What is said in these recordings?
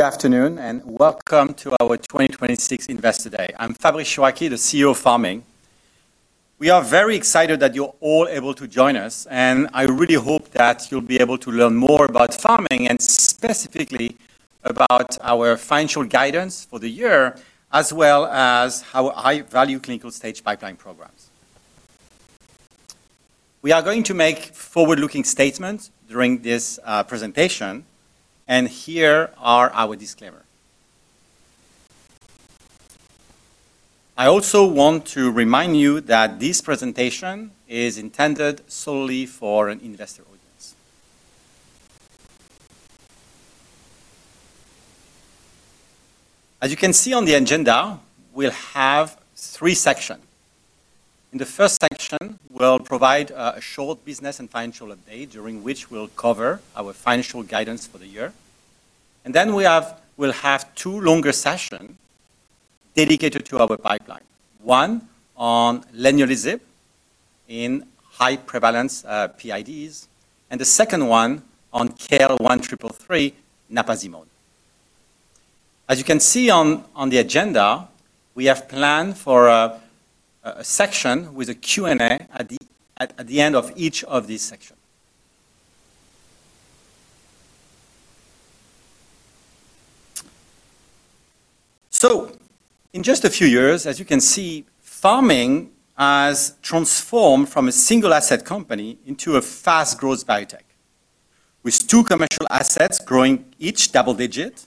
Good afternoon, and welcome to our 2026 Investor Day. I'm Fabrice Chouraqui, the CEO of Pharming. We are very excited that you're all able to join us, and I really hope that you'll be able to learn more about Pharming and specifically about our financial guidance for the year, as well as our high-value clinical stage pipeline programs. We are going to make forward-looking statements during this presentation, and here are our disclaimers. I also want to remind you that this presentation is intended solely for an investor audience. As you can see on the agenda, we'll have three sections. In the first section, we'll provide a short business and financial update during which we'll cover our financial guidance for the year. Then we'll have two longer sessions dedicated to our pipeline, one on leniolisib in high-prevalence PIDs, and the second one on KL1333 napazimone. As you can see on the agenda, we have planned for a section with a Q&A at the end of each of these sections. So in just a few years, as you can see, Pharming has transformed from a single-asset company into a fast-growth biotech with two commercial assets growing each double-digit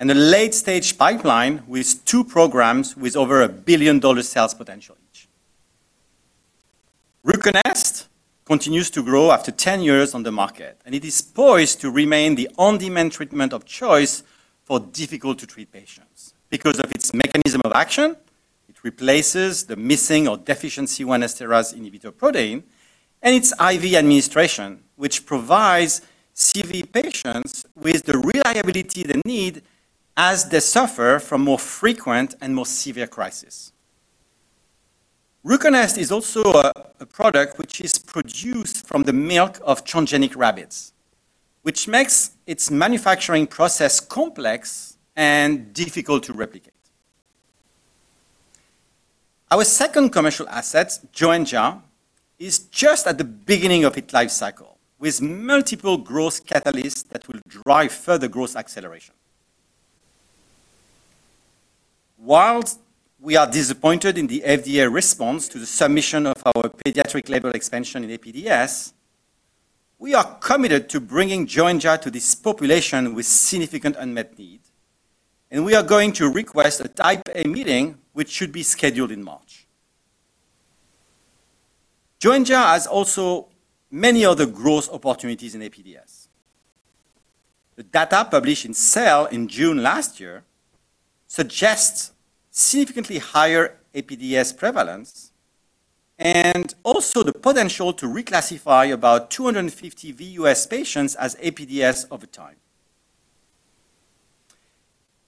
and a late-stage pipeline with two programs with over $1 billion sales potential each. RUCONEST continues to grow after 10 years on the market, and it is poised to remain the on-demand treatment of choice for difficult-to-treat patients because of its mechanism of action. It replaces the missing or deficient C1 esterase inhibitor protein and its IV administration, which provides patients with the reliability they need as they suffer from more frequent and more severe crises. RUCONEST is also a product which is produced from the milk of transgenic rabbits, which makes its manufacturing process complex and difficult to replicate. Our second commercial asset, Joenja, is just at the beginning of its lifecycle with multiple growth catalysts that will drive further growth acceleration. While we are disappointed in the FDA response to the submission of our pediatric label expansion in APDS, we are committed to bringing Joenja to this population with significant unmet needs, and we are going to request a Type A meeting, which should be scheduled in March. Joenja has also many other growth opportunities in APDS. The data published in Cell in June last year suggests significantly higher APDS prevalence and also the potential to reclassify about 250 VUS patients as APDS over time.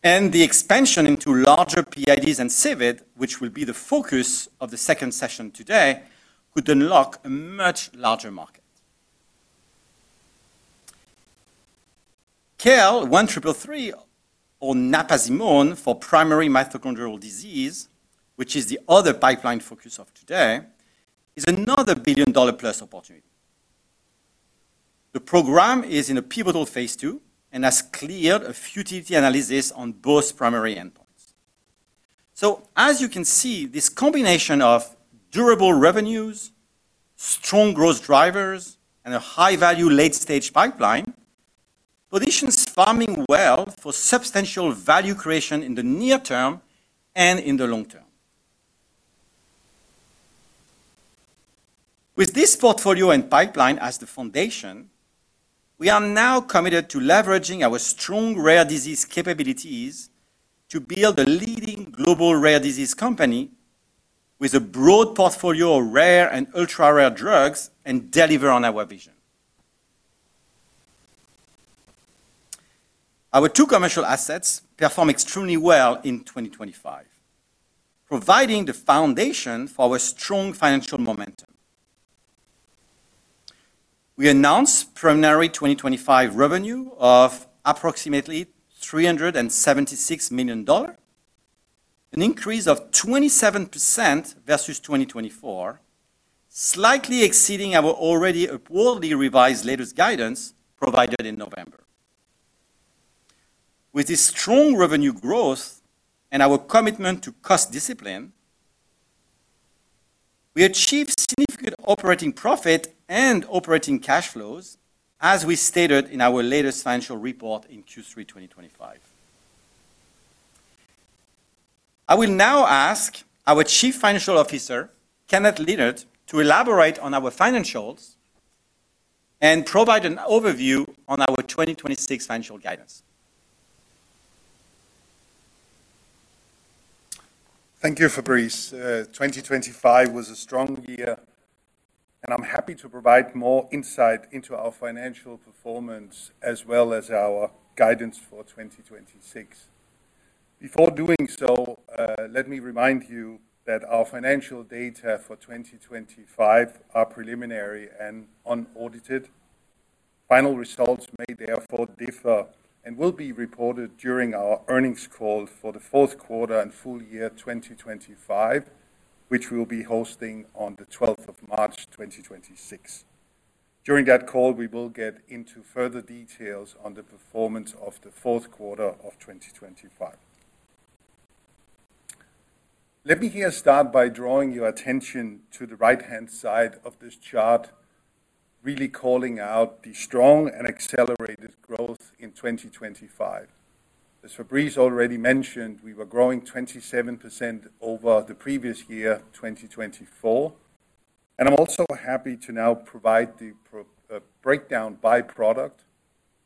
And the expansion into larger PIDs and CVID, which will be the focus of the second session today, could unlock a much larger market. KL1333 or napazimone for primary mitochondrial disease, which is the other pipeline focus of today, is another billion-dollar-plus opportunity. The program is in a pivotal phase II and has cleared a futility analysis on both primary endpoints. So as you can see, this combination of durable revenues, strong growth drivers, and a high-value late-stage pipeline positions Pharming well for substantial value creation in the near term and in the long term. With this portfolio and pipeline as the foundation, we are now committed to leveraging our strong rare disease capabilities to build a leading global rare disease company with a broad portfolio of rare and ultra-rare drugs and deliver on our vision. Our two commercial assets perform extremely well in 2025, providing the foundation for our strong financial momentum. We announced primary 2025 revenue of approximately $376 million, an increase of 27% versus 2024, slightly exceeding our already upwardly revised latest guidance provided in November. With this strong revenue growth and our commitment to cost discipline, we achieved significant operating profit and operating cash flows as we stated in our latest financial report in Q3 2025. I will now ask our Chief Financial Officer, Kenneth Lynard, to elaborate on our financials and provide an overview on our 2026 financial guidance. Thank you, Fabrice. 2025 was a strong year, and I'm happy to provide more insight into our financial performance as well as our guidance for 2026. Before doing so, let me remind you that our financial data for 2025 are preliminary and unaudited. Final results may therefore differ and will be reported during our earnings call for the fourth quarter and full year 2025, which we will be hosting on the 12th of March, 2026. During that call, we will get into further details on the performance of the fourth quarter of 2025. Let me here start by drawing your attention to the right-hand side of this chart, really calling out the strong and accelerated growth in 2025. As Fabrice already mentioned, we were growing 27% over the previous year, 2024. And I'm also happy to now provide the breakdown by-product,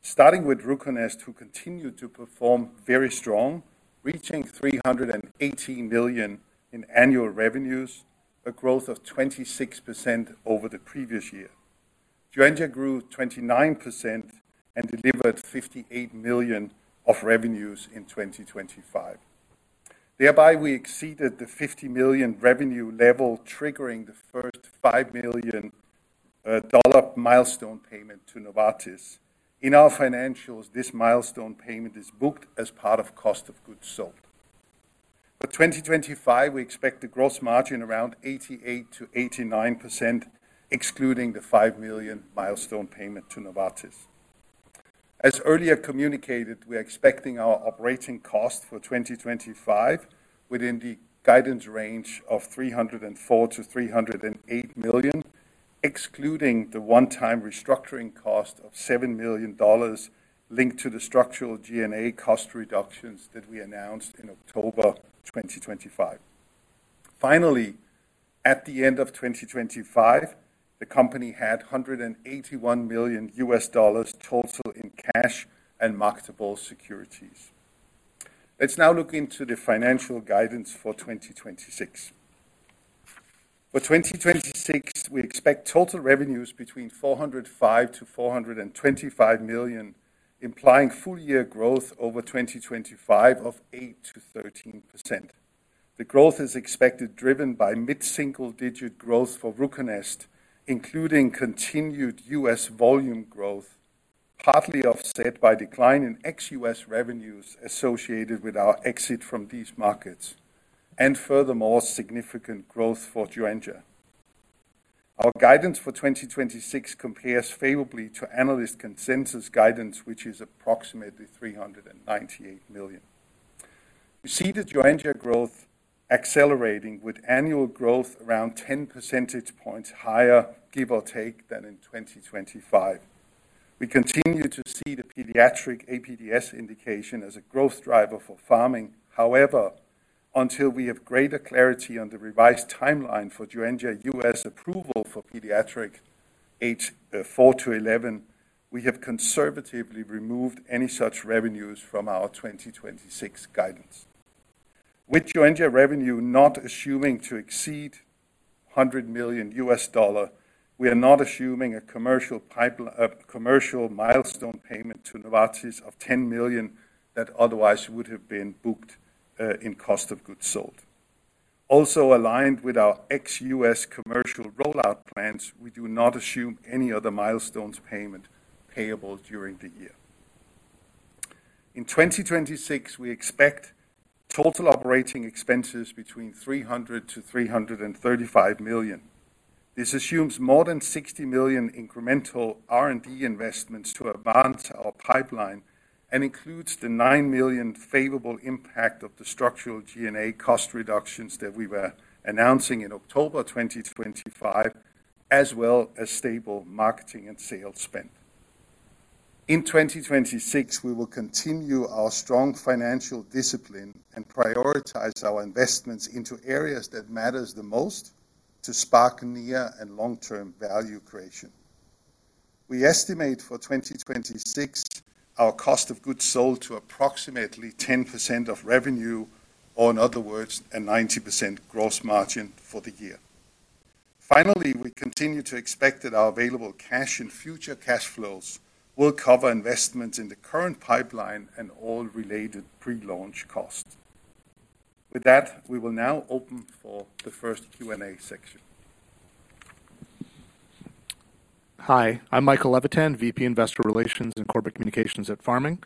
starting with RUCONEST, who continued to perform very strong, reaching $318 million in annual revenues, a growth of 26% over the previous year. Joenja grew 29% and delivered $58 million of revenues in 2025. Thereby, we exceeded the $50 million revenue level, triggering the first $5 million milestone payment to Novartis. In our financials, this milestone payment is booked as part of cost of goods sold. For 2025, we expect the gross margin around 88%-89%, excluding the $5 million milestone payment to Novartis. As earlier communicated, we are expecting our operating cost for 2025 within the guidance range of $304 million-$308 million, excluding the one-time restructuring cost of $7 million linked to the structural G&A cost reductions that we announced in October 2025. Finally, at the end of 2025, the company had $181 million total in cash and marketable securities. Let's now look into the financial guidance for 2026. For 2026, we expect total revenues between $405 million-$425 million, implying full-year growth over 2025 of 8%-13%. The growth is expected driven by mid-single-digit growth for RUCONEST, including continued U.S. volume growth, partly offset by decline in ex-U.S. revenues associated with our exit from these markets, and furthermore, significant growth for Joenja. Our guidance for 2026 compares favorably to analyst consensus guidance, which is approximately $398 million. We see the Joenja growth accelerating with annual growth around 10 percentage points higher, give or take, than in 2025. We continue to see the pediatric APDS indication as a growth driver for Pharming. However, until we have greater clarity on the revised timeline for Joenja U.S. approval for pediatric age four to 11, we have conservatively removed any such revenues from our 2026 guidance. With Joenja revenue not assuming to exceed $100 million, we are not assuming a commercial milestone payment to Novartis of $10 million that otherwise would have been booked in cost of goods sold. Also aligned with our ex-U.S. commercial rollout plans, we do not assume any other milestones payable during the year. In 2026, we expect total operating expenses between $300 million-$335 million. This assumes more than $60 million incremental R&D investments to advance our pipeline and includes the $9 million favorable impact of the structural G&A cost reductions that we were announcing in October 2025, as well as stable marketing and sales spend. In 2026, we will continue our strong financial discipline and prioritize our investments into areas that matter the most to spark near and long-term value creation. We estimate for 2026 our cost of goods sold to approximately 10% of revenue, or in other words, a 90% gross margin for the year. Finally, we continue to expect that our available cash and future cash flows will cover investments in the current pipeline and all related pre-launch costs. With that, we will now open for the first Q&A section. Hi. I'm Michael Levitan, VP Investor Relations and Corporate Communications at Pharming.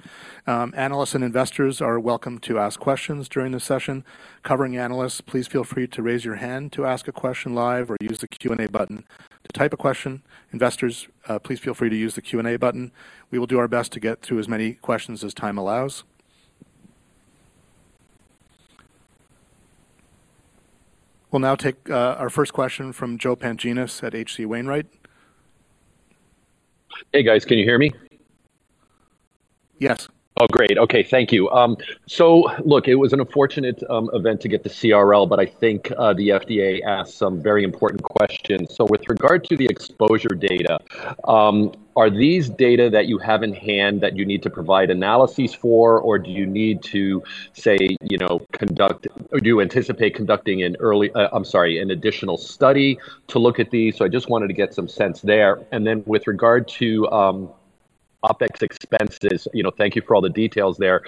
Analysts and investors are welcome to ask questions during this session. Covering analysts, please feel free to raise your hand to ask a question live or use the Q&A button to type a question. Investors, please feel free to use the Q&A button. We will do our best to get through as many questions as time allows. We'll now take our first question from Joe Pantginis at H.C. Wainwright. Hey, guys. Can you hear me? Yes. Oh, great. Okay. Thank you. So look, it was an unfortunate event to get to CRL, but I think the FDA asked some very important questions. So with regard to the exposure data, are these data that you have in hand that you need to provide analyses for, or do you need to, say, conduct or do you anticipate conducting an early I'm sorry, an additional study to look at these? So I just wanted to get some sense there. And then with regard to OpEx expenses, thank you for all the details there.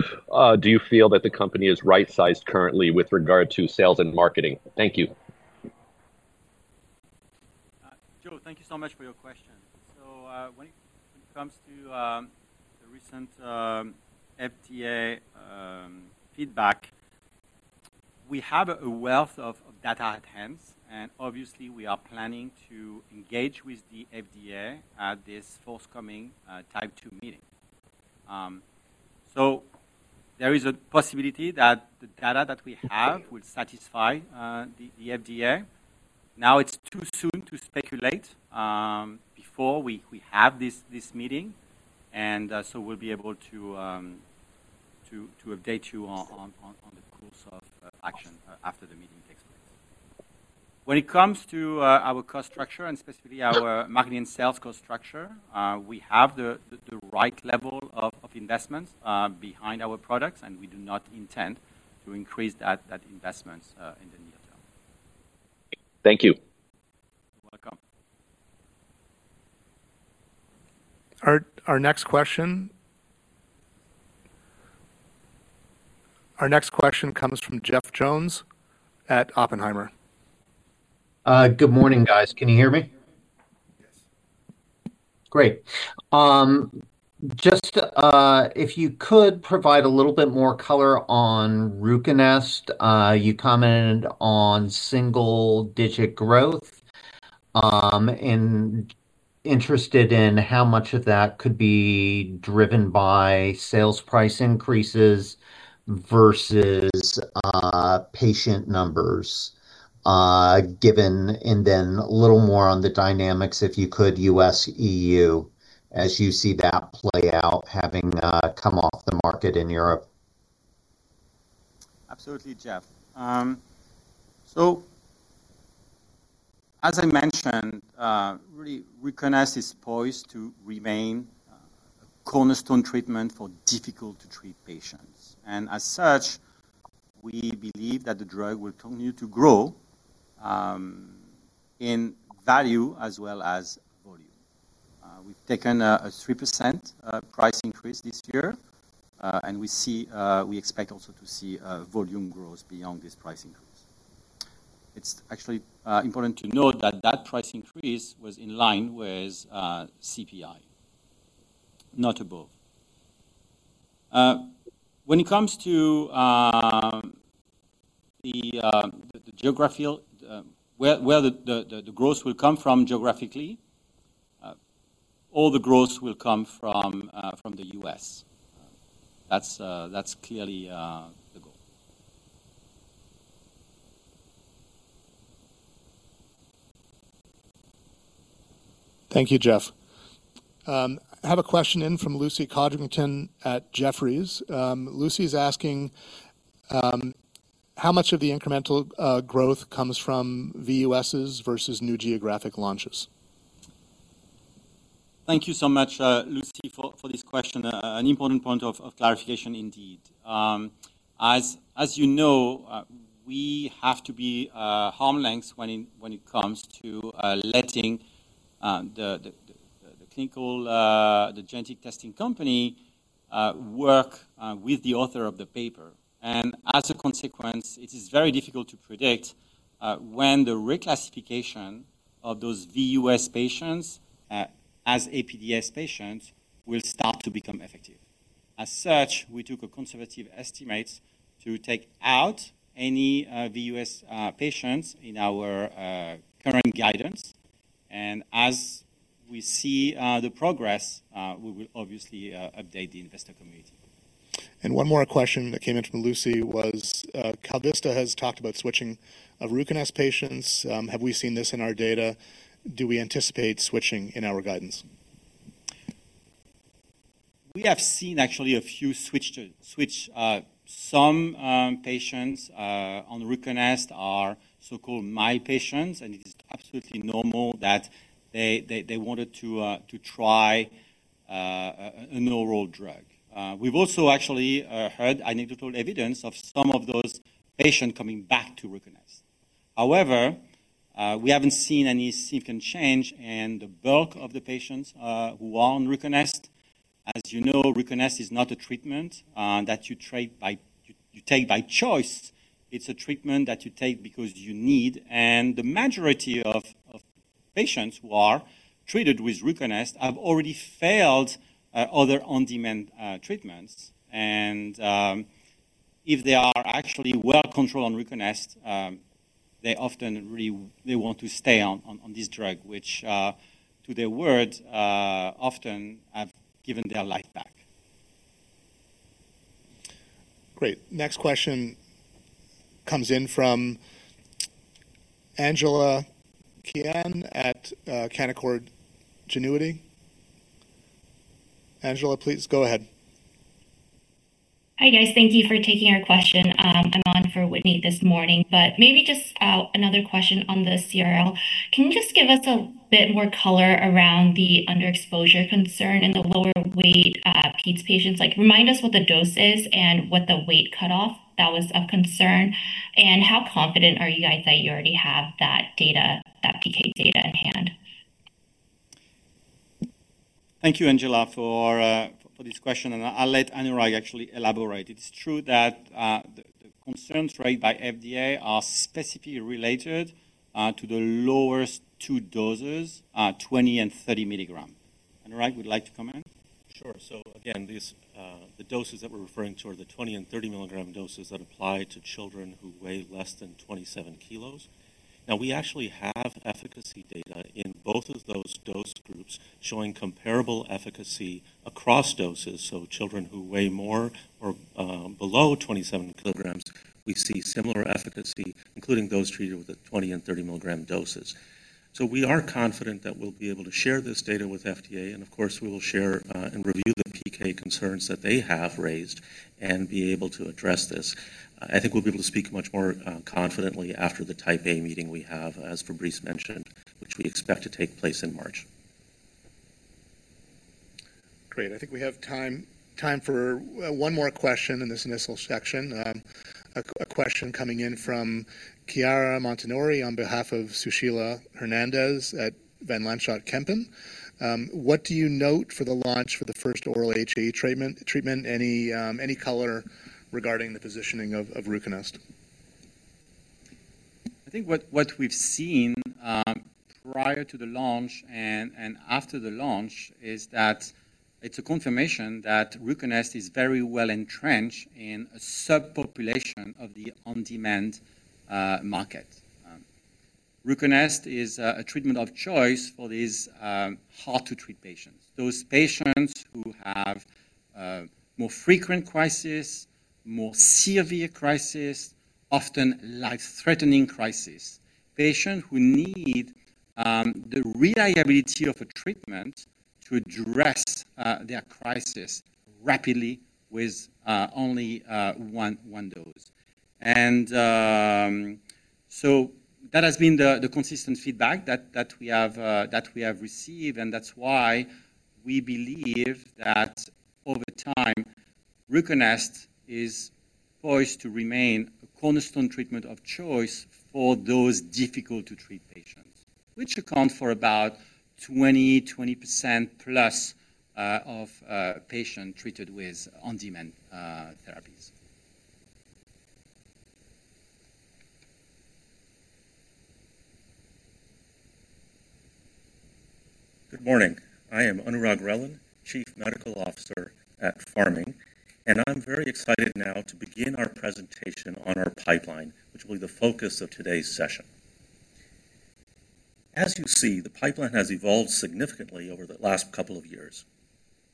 Do you feel that the company is right-sized currently with regard to sales and marketing? Thank you. Joe, thank you so much for your question. When it comes to the recent FDA feedback, we have a wealth of data at hand, and obviously, we are planning to engage with the FDA at this forthcoming Type 2 meeting. There is a possibility that the data that we have will satisfy the FDA. Now, it's too soon to speculate before we have this meeting, and so we'll be able to update you on the course of action after the meeting takes place. When it comes to our cost structure and specifically our marketing and sales cost structure, we have the right level of investments behind our products, and we do not intend to increase that investment in the near term. Thank you. You're welcome. Our next question comes from Jeff Jones at Oppenheimer. Good morning, guys. Can you hear me? Yes. Great. Just if you could provide a little bit more color on RUCONEST, you commented on single-digit growth and [I'm] interested in how much of that could be driven by sales price increases versus patient numbers, and then a little more on the dynamics, if you could, U.S.-EU as you see that play out having come off the market in Europe. Absolutely, Jeff. So as I mentioned, really, RUCONEST is poised to remain a cornerstone treatment for difficult-to-treat patients. And as such, we believe that the drug will continue to grow in value as well as volume. We've taken a 3% price increase this year, and we expect also to see volume growth beyond this price increase. It's actually important to note that that price increase was in line with CPI, not above. When it comes to where the growth will come from geographically, all the growth will come from the U.S. That's clearly the goal. Thank you, Jeff. I have a question in from Lucy Codrington at Jefferies. Lucy is asking how much of the incremental growth comes from VUSs versus new geographic launches. Thank you so much, Lucy, for this question. An important point of clarification, indeed. As you know, we have to be harmless when it comes to letting the clinical genetic testing company work with the author of the paper. And as a consequence, it is very difficult to predict when the reclassification of those VUS patients as APDS patients will start to become effective. As such, we took conservative estimates to take out any VUS patients in our current guidance. And as we see the progress, we will obviously update the investor community. One more question that came in from Lucy was KalVista has talked about switching of RUCONEST patients. Have we seen this in our data? Do we anticipate switching in our guidance? We have seen, actually, a few switches. Some patients on RUCONEST are so-called mild patients, and it is absolutely normal that they wanted to try an oral drug. We've also actually heard anecdotal evidence of some of those patients coming back to RUCONEST. However, we haven't seen any significant change, and the bulk of the patients who are on RUCONEST, as you know, RUCONEST is not a treatment that you take by choice. It's a treatment that you take because you need. And the majority of patients who are treated with RUCONEST have already failed other on-demand treatments. And if they are actually well controlled on RUCONEST, they often really want to stay on this drug, which, to their words, often have given their life back. Great. Next question comes in from Angela Qian at Canaccord Genuity. Angela, please go ahead. Hi, guys. Thank you for taking our question. I'm on for Whitney this morning. But maybe just another question on the CRL. Can you just give us a bit more color around the underexposure concern in the lower-weight PIDs patients? Remind us what the dose is and what the weight cutoff that was of concern. And how confident are you guys that you already have that PK data in hand? Thank you, Angela, for this question. I'll let Anurag actually elaborate. It is true that the concerns raised by FDA are specifically related to the lowest two doses, 20 mg and 30 mg. Anurag, would you like to comment? Sure. So again, the doses that we're referring to are the 20 mg and 30mg doses that apply to children who weigh less than 27 k. Now, we actually have efficacy data in both of those dose groups showing comparable efficacy across doses. So children who weigh more or below 27 kg we see similar efficacy, including those treated with the 20 mg and 30 mg doses. So we are confident that we'll be able to share this data with FDA. And of course, we will share and review the PK concerns that they have raised and be able to address this. I think we'll be able to speak much more confidently after the Type A meeting we have, as Fabrice mentioned, which we expect to take place in March. Great. I think we have time for one more question in this initial section. A question coming in from Chiara Montanari on behalf of Sushila Hernandez at Van Lanschot Kempen. What do you note for the launch for the first oral HAE treatment? Any color regarding the positioning of RUCONEST? I think what we've seen prior to the launch and after the launch is that it's a confirmation that RUCONEST is very well entrenched in a subpopulation of the on-demand market. RUCONEST is a treatment of choice for these hard-to-treat patients, those patients who have more frequent crises, more severe crises, often life-threatening crises, patients who need the reliability of a treatment to address their crisis rapidly with only one dose. And so that has been the consistent feedback that we have received. And that's why we believe that over time, RUCONEST is poised to remain a cornerstone treatment of choice for those difficult-to-treat patients, which account for about 20%+ of patients treated with on-demand therapies. Good morning. I am Anurag Relan, Chief Medical Officer at Pharming. I'm very excited now to begin our presentation on our pipeline, which will be the focus of today's session. As you see, the pipeline has evolved significantly over the last couple of years.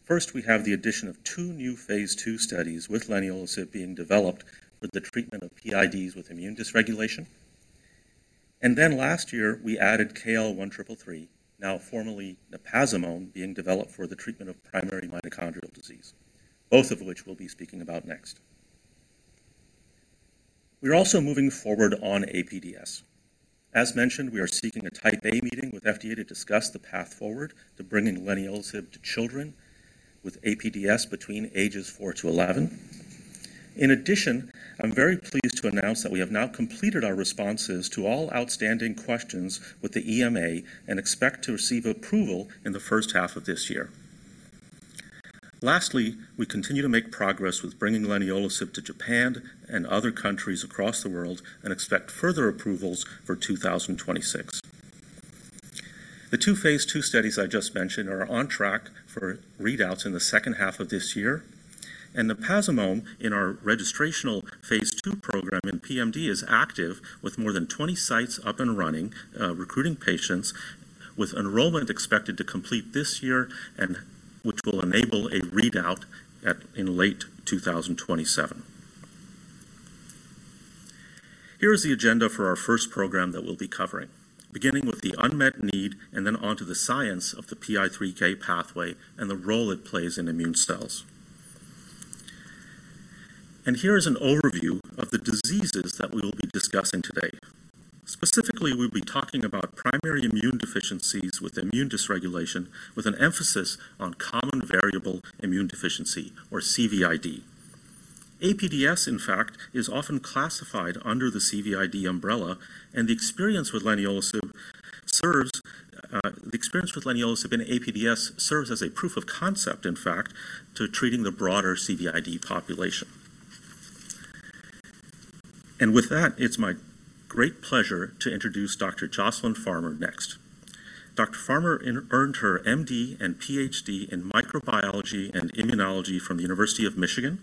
First, we have the addition of two new phase II studies with leniolisib being developed for the treatment of PIDs with immune dysregulation. Then last year, we added KL1333, now formally napazimone, being developed for the treatment of primary mitochondrial disease, both of which we'll be speaking about next. We're also moving forward on APDS. As mentioned, we are seeking a Type A meeting with FDA to discuss the path forward to bringing leniolisib to children with APDS between ages four to 11. In addition, I'm very pleased to announce that we have now completed our responses to all outstanding questions with the EMA and expect to receive approval in the first half of this year. Lastly, we continue to make progress with bringing leniolisib to Japan and other countries across the world and expect further approvals for 2026. The two phase II studies I just mentioned are on track for readouts in the second half of this year. And napazimone, in our registrational phase II program in PMD, is active with more than 20 sites up and running, recruiting patients, with enrollment expected to complete this year, which will enable a readout in late 2027. Here is the agenda for our first program that we'll be covering, beginning with the unmet need and then onto the science of the PI3K pathway and the role it plays in immune cells. And here is an overview of the diseases that we will be discussing today. Specifically, we'll be talking about primary immune deficiencies with immune dysregulation, with an emphasis on common variable immune deficiency, or CVID. APDS, in fact, is often classified under the CVID umbrella. And the experience with leniolisib in APDS serves as a proof of concept, in fact, to treating the broader CVID population. And with that, it's my great pleasure to introduce Dr. Jocelyn Farmer next. Dr. Farmer earned her MD and PhD in microbiology and immunology from the University of Michigan.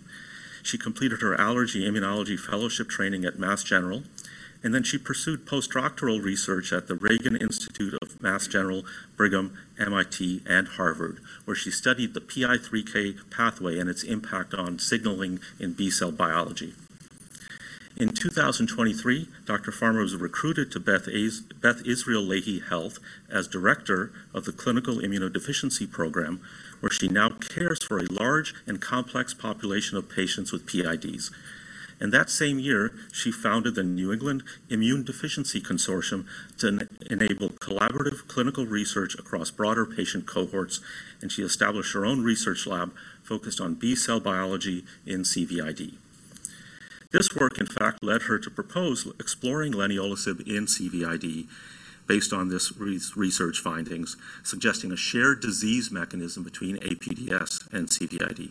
She completed her allergy immunology fellowship training at Mass General. And then she pursued postdoctoral research at the Ragon Institute of Mass General, Brigham, MIT, and Harvard, where she studied the PI3K pathway and its impact on signaling in B-cell biology. In 2023, Dr. Farmer was recruited to Beth Israel Lahey Health as Director of the Clinical Immunodeficiency Program, where she now cares for a large and complex population of patients with PIDs. That same year, she founded the New England Immune Deficiency Consortium to enable collaborative clinical research across broader patient cohorts. She established her own research lab focused on B-cell biology in CVID. This work, in fact, led her to propose exploring leniolisib in CVID based on these research findings, suggesting a shared disease mechanism between APDS and CVID.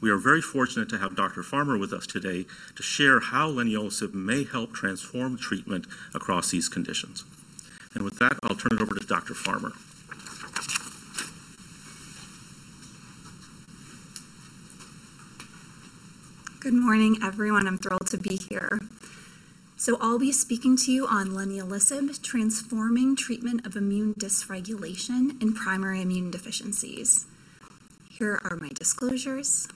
We are very fortunate to have Dr. Farmer with us today to share how leniolisib may help transform treatment across these conditions. And with that, I'll turn it over to Dr. Farmer. Good morning, everyone. I'm thrilled to be here. So I'll be speaking to you on leniolisib transforming treatment of immune dysregulation in primary immune deficiencies. Here are my disclosures.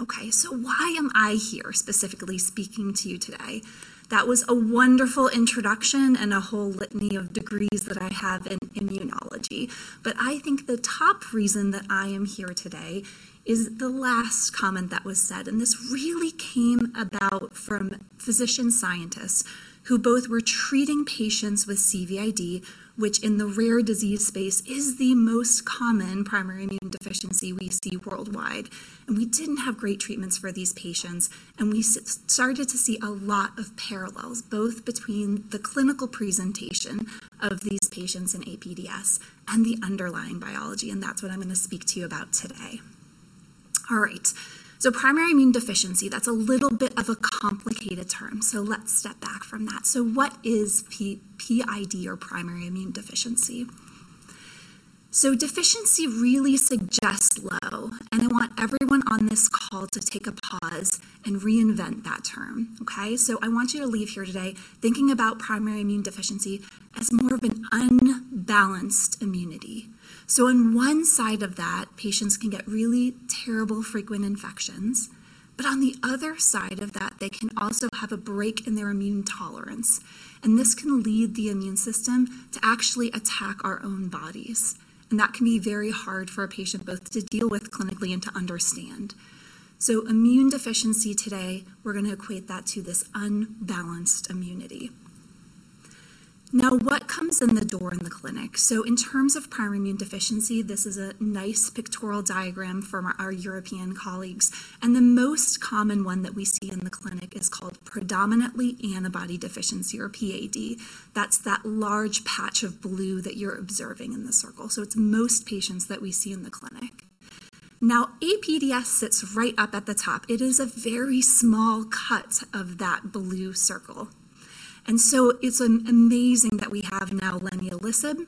Okay. So why am I here specifically speaking to you today? That was a wonderful introduction and a whole litany of degrees that I have in immunology. But I think the top reason that I am here today is the last comment that was said. And this really came about from physician scientists who both were treating patients with CVID, which in the rare disease space is the most common primary immune deficiency we see worldwide. And we didn't have great treatments for these patients. And we started to see a lot of parallels, both between the clinical presentation of these patients in APDS and the underlying biology. And that's what I'm going to speak to you about today. All right. Primary immune deficiency, that's a little bit of a complicated term. Let's step back from that. What is PID or primary immune deficiency? Deficiency really suggests low. I want everyone on this call to take a pause and reinvent that term, okay? I want you to leave here today thinking about primary immune deficiency as more of an unbalanced immunity. On one side of that, patients can get really terrible, frequent infections. But on the other side of that, they can also have a break in their immune tolerance. This can lead the immune system to actually attack our own bodies. That can be very hard for a patient both to deal with clinically and to understand. Immune deficiency today, we're going to equate that to this unbalanced immunity. Now, what comes in the door in the clinic? So in terms of primary immune deficiency, this is a nice pictorial diagram from our European colleagues. The most common one that we see in the clinic is called predominantly antibody deficiency, or PAD. That's that large patch of blue that you're observing in the circle. So it's most patients that we see in the clinic. Now, APDS sits right up at the top. It is a very small cut of that blue circle. So it's amazing that we have now leniolisib.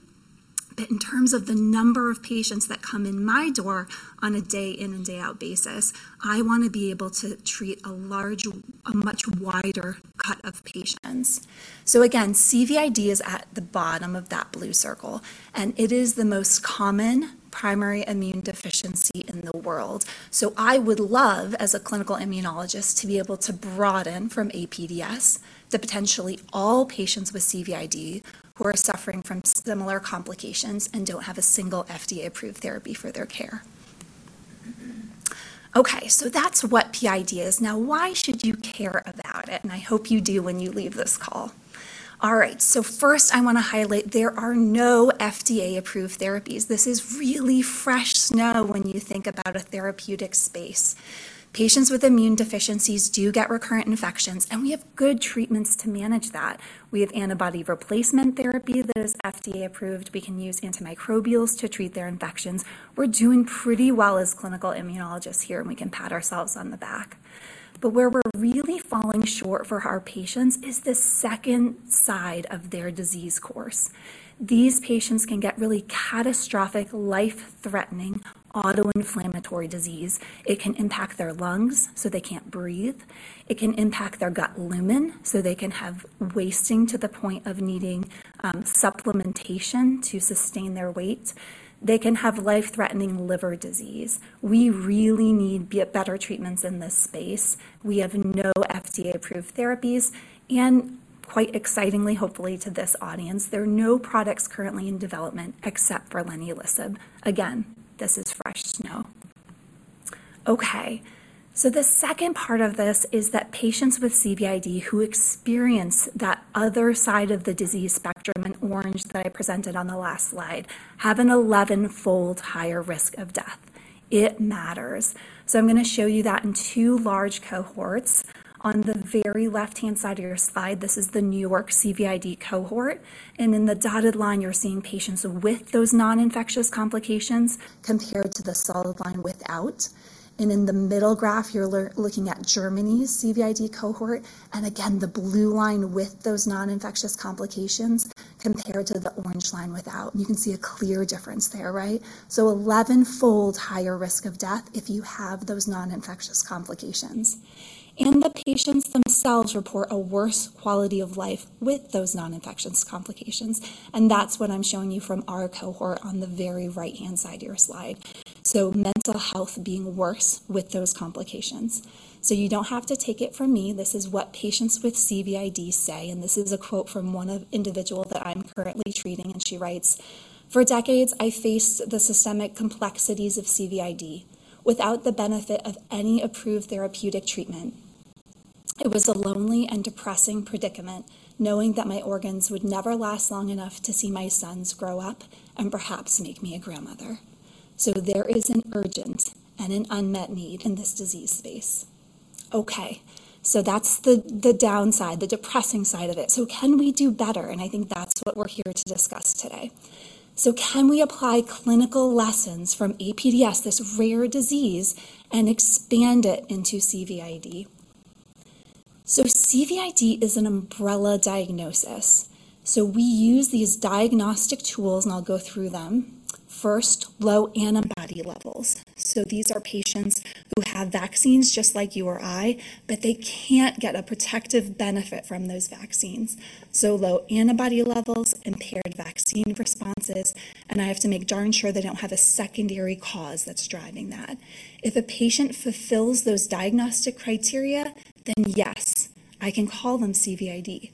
But in terms of the number of patients that come in my door on a day-in and day-out basis, I want to be able to treat a much wider cut of patients. So again, CVID is at the bottom of that blue circle. It is the most common primary immune deficiency in the world. So I would love, as a clinical immunologist, to be able to broaden from APDS to potentially all patients with CVID who are suffering from similar complications and don't have a single FDA-approved therapy for their care. Okay. So that's what PID is. Now, why should you care about it? And I hope you do when you leave this call. All right. So first, I want to highlight there are no FDA-approved therapies. This is really fresh snow when you think about a therapeutic space. Patients with immune deficiencies do get recurrent infections. And we have good treatments to manage that. We have antibody replacement therapy that is FDA-approved. We can use antimicrobials to treat their infections. We're doing pretty well as clinical immunologists here. And we can pat ourselves on the back. But where we're really falling short for our patients is the second side of their disease course. These patients can get really catastrophic, life-threatening autoinflammatory disease. It can impact their lungs, so they can't breathe. It can impact their gut lumen, so they can have wasting to the point of needing supplementation to sustain their weight. They can have life-threatening liver disease. We really need better treatments in this space. We have no FDA-approved therapies. And quite excitingly, hopefully to this audience, there are no products currently in development except for leniolisib. Again, this is fresh snow. Okay. So the second part of this is that patients with CVID who experience that other side of the disease spectrum, in orange that I presented on the last slide, have an 11-fold higher risk of death. It matters. So I'm going to show you that in two large cohorts. On the very left-hand side of your slide, this is the New York CVID cohort. In the dotted line, you're seeing patients with those non-infectious complications compared to the solid line without. In the middle graph, you're looking at Germany's CVID cohort. Again, the blue line with those non-infectious complications compared to the orange line without. You can see a clear difference there, right? So 11-fold higher risk of death if you have those non-infectious complications. The patients themselves report a worse quality of life with those non-infectious complications. That's what I'm showing you from our cohort on the very right-hand side of your slide, so mental health being worse with those complications. You don't have to take it from me. This is what patients with CVID say. This is a quote from one individual that I'm currently treating. And she writes, "For decades, I faced the systemic complexities of CVID without the benefit of any approved therapeutic treatment. It was a lonely and depressing predicament knowing that my organs would never last long enough to see my sons grow up and perhaps make me a grandmother." So there is an urgent and an unmet need in this disease space. Okay. So that's the downside, the depressing side of it. So can we do better? And I think that's what we're here to discuss today. So can we apply clinical lessons from APDS, this rare disease, and expand it into CVID? So CVID is an umbrella diagnosis. So we use these diagnostic tools. And I'll go through them. First, low antibody levels. So these are patients who have vaccines just like you or I, but they can't get a protective benefit from those vaccines. So low antibody levels, impaired vaccine responses. And I have to make darn sure they don't have a secondary cause that's driving that. If a patient fulfills those diagnostic criteria, then yes, I can call them CVID.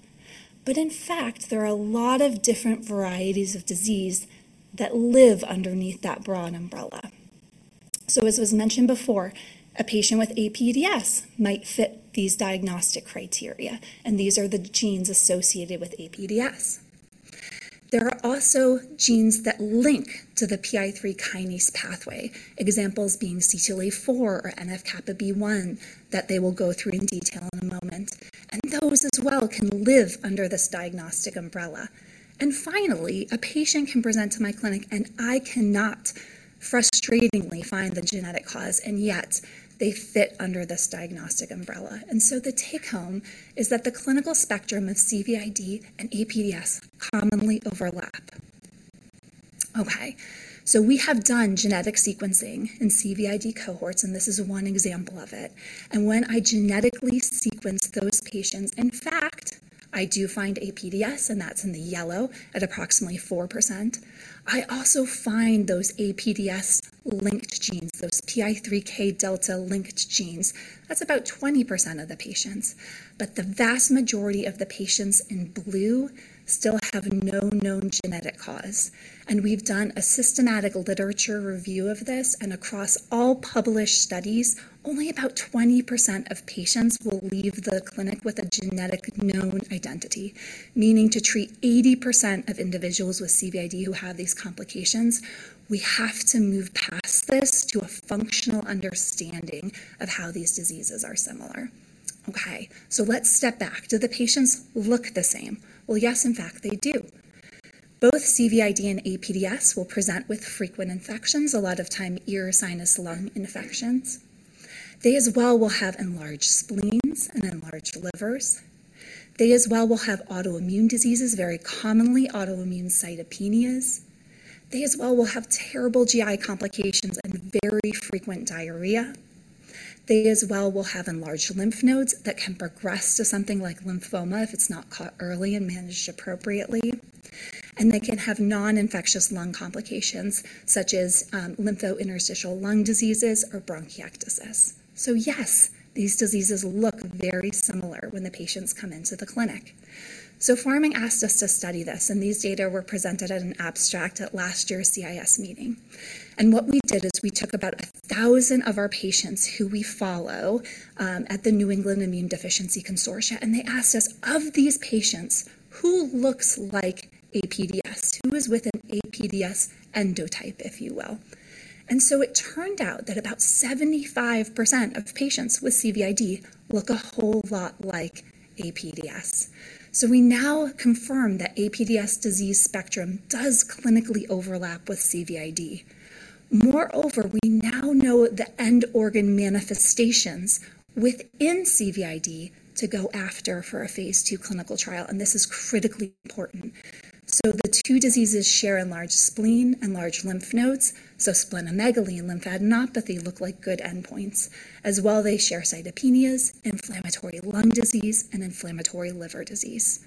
But in fact, there are a lot of different varieties of disease that live underneath that broad umbrella. So as was mentioned before, a patient with APDS might fit these diagnostic criteria. And these are the genes associated with APDS. There are also genes that link to the PI3K pathway, examples being CTLA-4 or NF-κB1 that they will go through in detail in a moment. And those as well can live under this diagnostic umbrella. And finally, a patient can present to my clinic, and I cannot frustratingly find the genetic cause. And yet, they fit under this diagnostic umbrella. So the take-home is that the clinical spectrum of CVID and APDS commonly overlap. Okay. We have done genetic sequencing in CVID cohorts. And this is one example of it. And when I genetically sequence those patients in fact, I do find APDS. And that's in the yellow at approximately 4%. I also find those APDS-linked genes, those PI3Kẟ-linked genes. That's about 20% of the patients. But the vast majority of the patients in blue still have no known genetic cause. And we've done a systematic literature review of this. And across all published studies, only about 20% of patients will leave the clinic with a genetic known identity, meaning to treat 80% of individuals with CVID who have these complications, we have to move past this to a functional understanding of how these diseases are similar. Okay. So let's step back. Do the patients look the same? Well, yes, in fact, they do. Both CVID and APDS will present with frequent infections, a lot of time ear, sinus, lung infections. They as well will have enlarged spleens and enlarged livers. They as well will have autoimmune diseases, very commonly autoimmune cytopenias. They as well will have terrible GI complications and very frequent diarrhea. They as well will have enlarged lymph nodes that can progress to something like lymphoma if it's not caught early and managed appropriately. And they can have non-infectious lung complications such as lymphointerstitial lung diseases or bronchiectasis. So yes, these diseases look very similar when the patients come into the clinic. So Pharming asked us to study this. And these data were presented at an abstract at last year's CIS meeting. What we did is we took about 1,000 of our patients who we follow at the New England Immune Deficiency Consortium. They asked us, "Of these patients, who looks like APDS, who is with an APDS endotype, if you will?" So it turned out that about 75% of patients with CVID look a whole lot like APDS. We now confirm that APDS disease spectrum does clinically overlap with CVID. Moreover, we now know the end organ manifestations within CVID to go after for a phase II clinical trial. This is critically important. The two diseases share enlarged spleen and large lymph nodes. Splenomegaly and lymphadenopathy look like good endpoints. As well, they share cytopenias, inflammatory lung disease, and inflammatory liver disease.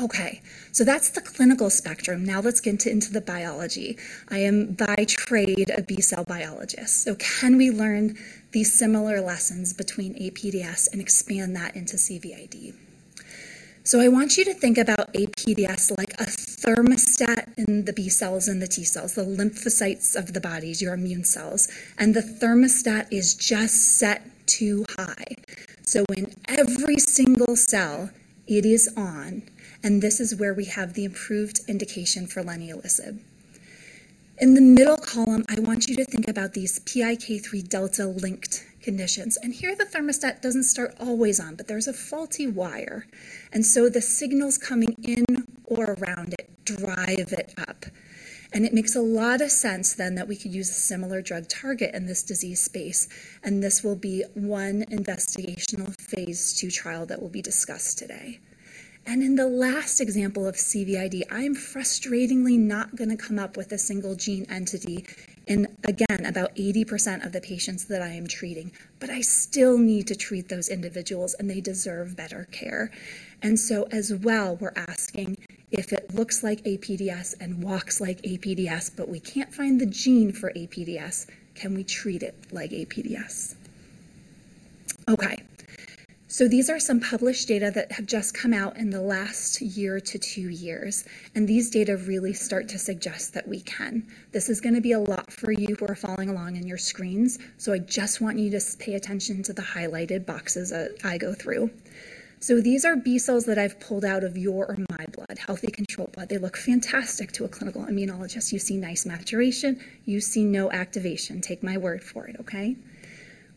Okay. That's the clinical spectrum. Now let's get into the biology. I am by trade a B-cell biologist. So can we learn these similar lessons between APDS and expand that into CVID? So I want you to think about APDS like a thermostat in the B cells and the T cells, the lymphocytes of the bodies, your immune cells. And the thermostat is just set too high. So in every single cell, it is on. And this is where we have the improved indication for leniolisib. In the middle column, I want you to think about these PI3Kẟ-linked conditions. And here, the thermostat doesn't start always on. But there's a faulty wire. And so the signals coming in or around it drive it up. And it makes a lot of sense then that we could use a similar drug target in this disease space. And this will be one investigational phase II trial that will be discussed today. In the last example of CVID, I'm frustratingly not going to come up with a single gene entity in, again, about 80% of the patients that I am treating. But I still need to treat those individuals. They deserve better care. So as well, we're asking, if it looks like APDS and walks like APDS, but we can't find the gene for APDS, can we treat it like APDS? Okay. These are some published data that have just come out in the last year to two years. These data really start to suggest that we can. This is going to be a lot for you who are following along in your screens. I just want you to pay attention to the highlighted boxes that I go through. These are B cells that I've pulled out of your or my blood, healthy controlled blood. They look fantastic to a clinical immunologist. You see nice maturation. You see no activation. Take my word for it, okay?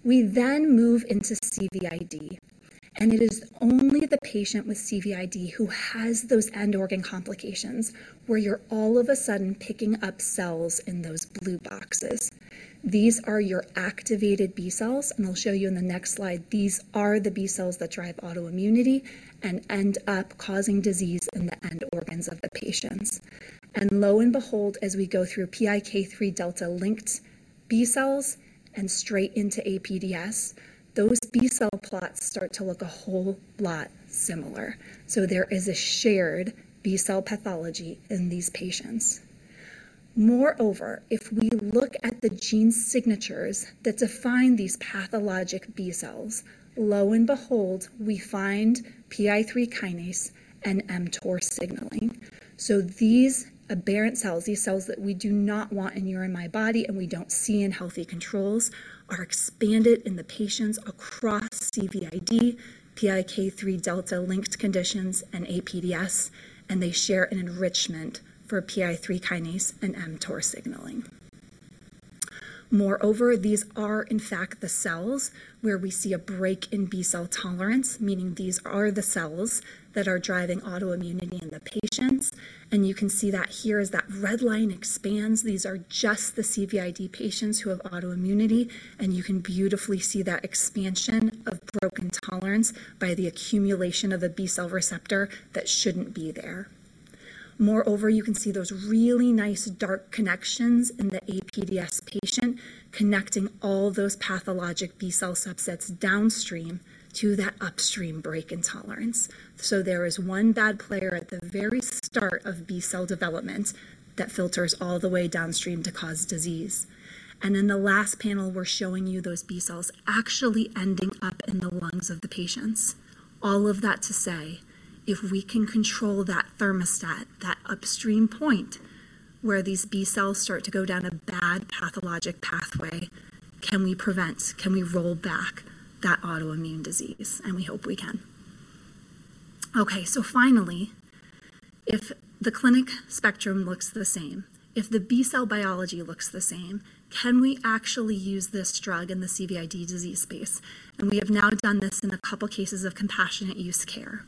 We then move into CVID. And it is only the patient with CVID who has those end organ complications where you're all of a sudden picking up cells in those blue boxes. These are your activated B cells. And I'll show you in the next slide, these are the B cells that drive autoimmunity and end up causing disease in the end organs of the patients. And lo and behold, as we go through PI3Kẟ-linked B cells and straight into APDS, those B cell plots start to look a whole lot similar. So there is a shared B cell pathology in these patients. Moreover, if we look at the gene signatures that define these pathologic B cells, lo and behold, we PI3K and mTOR signaling. So these aberrant cells, these cells that we do not want in your or my body and we don't see in healthy controls, are expanded in the patients across CVID, PI3Kẟ-linked conditions, and APDS. And they share an enrichment for PI3K and mTOR signaling. Moreover, these are, in fact, the cells where we see a break in B cell tolerance, meaning these are the cells that are driving autoimmunity in the patients. And you can see that here as that red line expands. These are just the CVID patients who have autoimmunity. And you can beautifully see that expansion of broken tolerance by the accumulation of a B cell receptor that shouldn't be there. Moreover, you can see those really nice dark connections in the APDS patient connecting all those pathologic B cell subsets downstream to that upstream break in tolerance. So there is one bad player at the very start of B cell development that filters all the way downstream to cause disease. And in the last panel, we're showing you those B cells actually ending up in the lungs of the patients. All of that to say, if we can control that thermostat, that upstream point where these B cells start to go down a bad pathologic pathway, can we prevent, can we roll back that autoimmune disease? And we hope we can. Okay. So finally, if the clinical spectrum looks the same, if the B cell biology looks the same, can we actually use this drug in the CVID disease space? And we have now done this in a couple of cases of compassionate use care.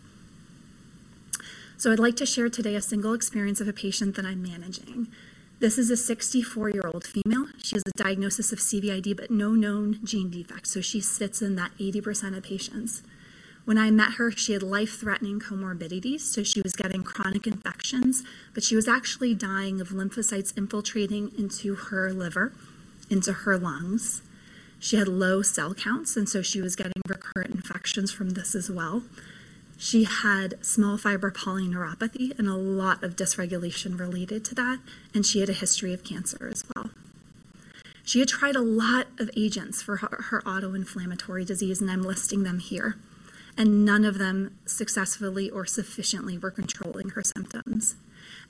So I'd like to share today a single experience of a patient that I'm managing. This is a 64-year-old female. She has a diagnosis of CVID but no known gene defects. So she sits in that 80% of patients. When I met her, she had life-threatening comorbidities. So she was getting chronic infections. But she was actually dying of lymphocytes infiltrating into her liver, into her lungs. She had low cell counts. And so she was getting recurrent infections from this as well. She had small fiber polyneuropathy and a lot of dysregulation related to that. And she had a history of cancer as well. She had tried a lot of agents for her autoinflammatory disease. And I'm listing them here. And none of them successfully or sufficiently were controlling her symptoms.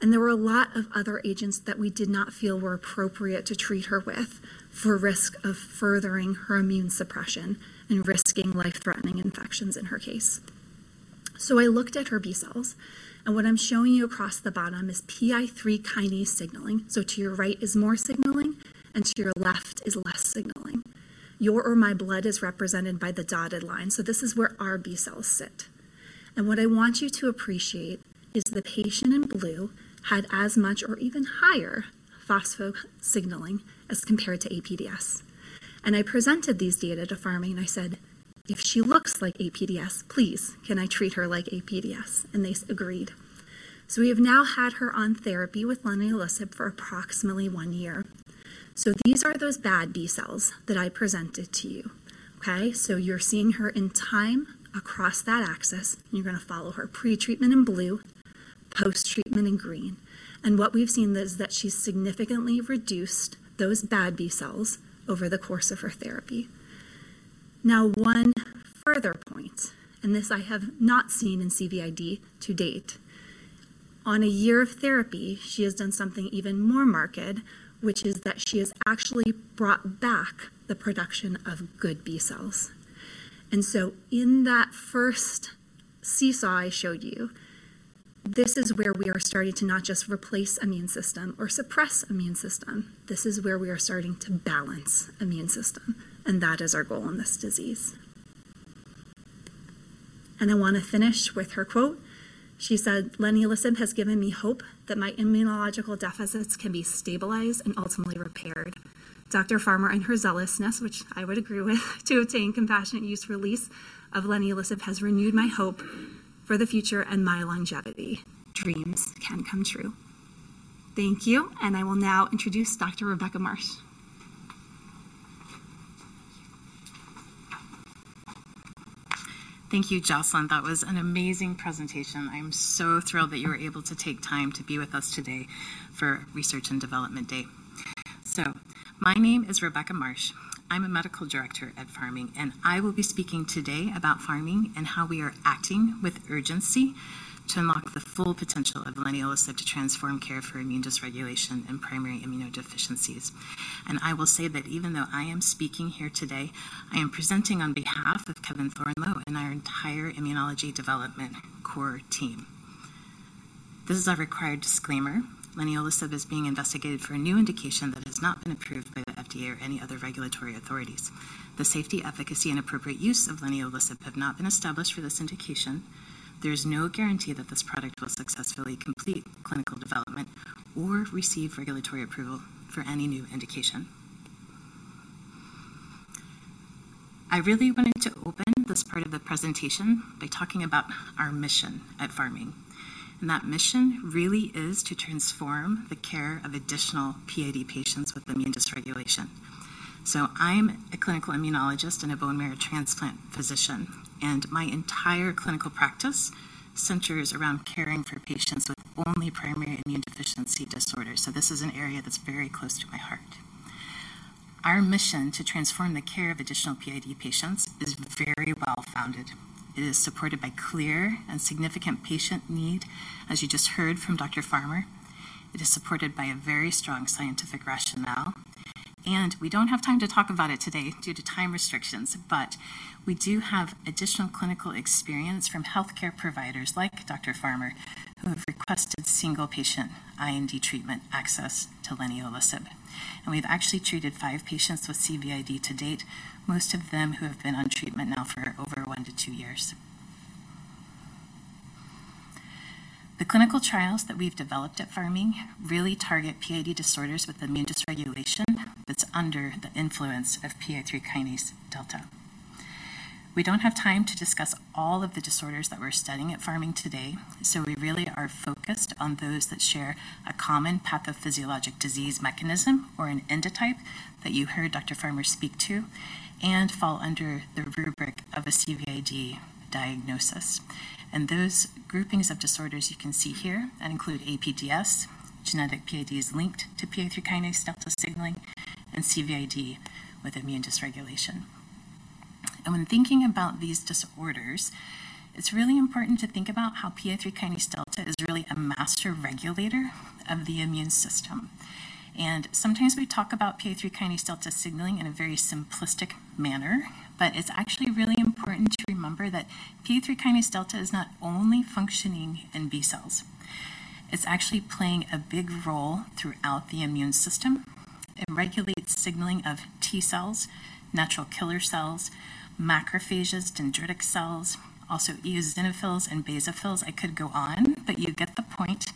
And there were a lot of other agents that we did not feel were appropriate to treat her with for risk of furthering her immune suppression and risking life-threatening infections in her case. So I looked at her B cells. And what I'm showing you across the bottom is PI3K signaling. So to your right is more signaling. And to your left is less signaling. Your or my blood is represented by the dotted line. So this is where our B cells sit. And what I want you to appreciate is the patient in blue had as much or even higher phosphorylation signaling as compared to APDS. And I presented these data to Pharming. And I said, "If she looks like APDS, please, can I treat her like APDS?" And they agreed. So we have now had her on therapy with leniolisib for approximately one year. So these are those bad B cells that I presented to you, okay? So you're seeing her in time across that axis. And you're going to follow her pretreatment in blue, posttreatment in green. And what we've seen is that she's significantly reduced those bad B cells over the course of her therapy. Now, one further point, and this I have not seen in CVID to date. On a year of therapy, she has done something even more marked, which is that she has actually brought back the production of good B cells. And so in that first CISA I showed you, this is where we are starting to not just replace immune system or suppress immune system. This is where we are starting to balance immune system. And that is our goal in this disease. And I want to finish with her quote. She said, "leniolisib has given me hope that my immunological deficits can be stabilized and ultimately repaired. Dr. Farmer and her zealousness, which I would agree with, to obtain compassionate use release of leniolisib has renewed my hope for the future and my longevity. Dreams can come true." Thank you. I will now introduce Dr. Rebecca Marsh. Thank you, Jocelyn. That was an amazing presentation. I'm so thrilled that you were able to take time to be with us today for Research and Development Day. My name is Rebecca Marsh. I'm a medical director at Pharming. I will be speaking today about Pharming and how we are acting with urgency to unlock the full potential of leniolisib to transform care for immune dysregulation and primary immunodeficiencies. I will say that even though I am speaking here today, I am presenting on behalf of Kevin Thorneloe and our entire immunology development core team. This is a required disclaimer. Leniolisib is being investigated for a new indication that has not been approved by the FDA or any other regulatory authorities. The safety, efficacy, and appropriate use of leniolisib have not been established for this indication. There is no guarantee that this product will successfully complete clinical development or receive regulatory approval for any new indication. I really wanted to open this part of the presentation by talking about our mission at Pharming. That mission really is to transform the care of additional PID patients with immune dysregulation. I'm a clinical immunologist and a bone marrow transplant physician. My entire clinical practice centers around caring for patients with only primary immune deficiency disorders. This is an area that's very close to my heart. Our mission to transform the care of additional PID patients is very well-founded. It is supported by clear and significant patient need, as you just heard from Dr. Farmer. It is supported by a very strong scientific rationale. We don't have time to talk about it today due to time restrictions. We do have additional clinical experience from healthcare providers like Dr. Farmer who have requested single patient IND treatment access to leniolisib. We've actually treated five patients with CVID to date, most of them who have been on treatment now for over 1 years-2 years. The clinical trials that we've developed at Pharming really target PID disorders with immune dysregulation that's under the influence of PI3Kẟ. We don't have time to discuss all of the disorders that we're studying at Pharming today. We really are focused on those that share a common pathophysiologic disease mechanism or an endotype that you heard Dr. Farmer speaks to and falls under the rubric of a CVID diagnosis. Those groupings of disorders you can see here include APDS, genetic PIDs linked to PI3K kinase delta signaling, and CVID with immune dysregulation. When thinking about these disorders, it's really important to think PI3Kδ is really a master regulator of the immune system. Sometimes we talk about PI3Kẟ signaling in a very simplistic manner. But it's actually really important to PI3Kδ is not only functioning in B cells. It's actually playing a big role throughout the immune system and regulates signaling of T cells, natural killer cells, macrophages, dendritic cells, also eosinophils and basophils. I could go on, but you get the point.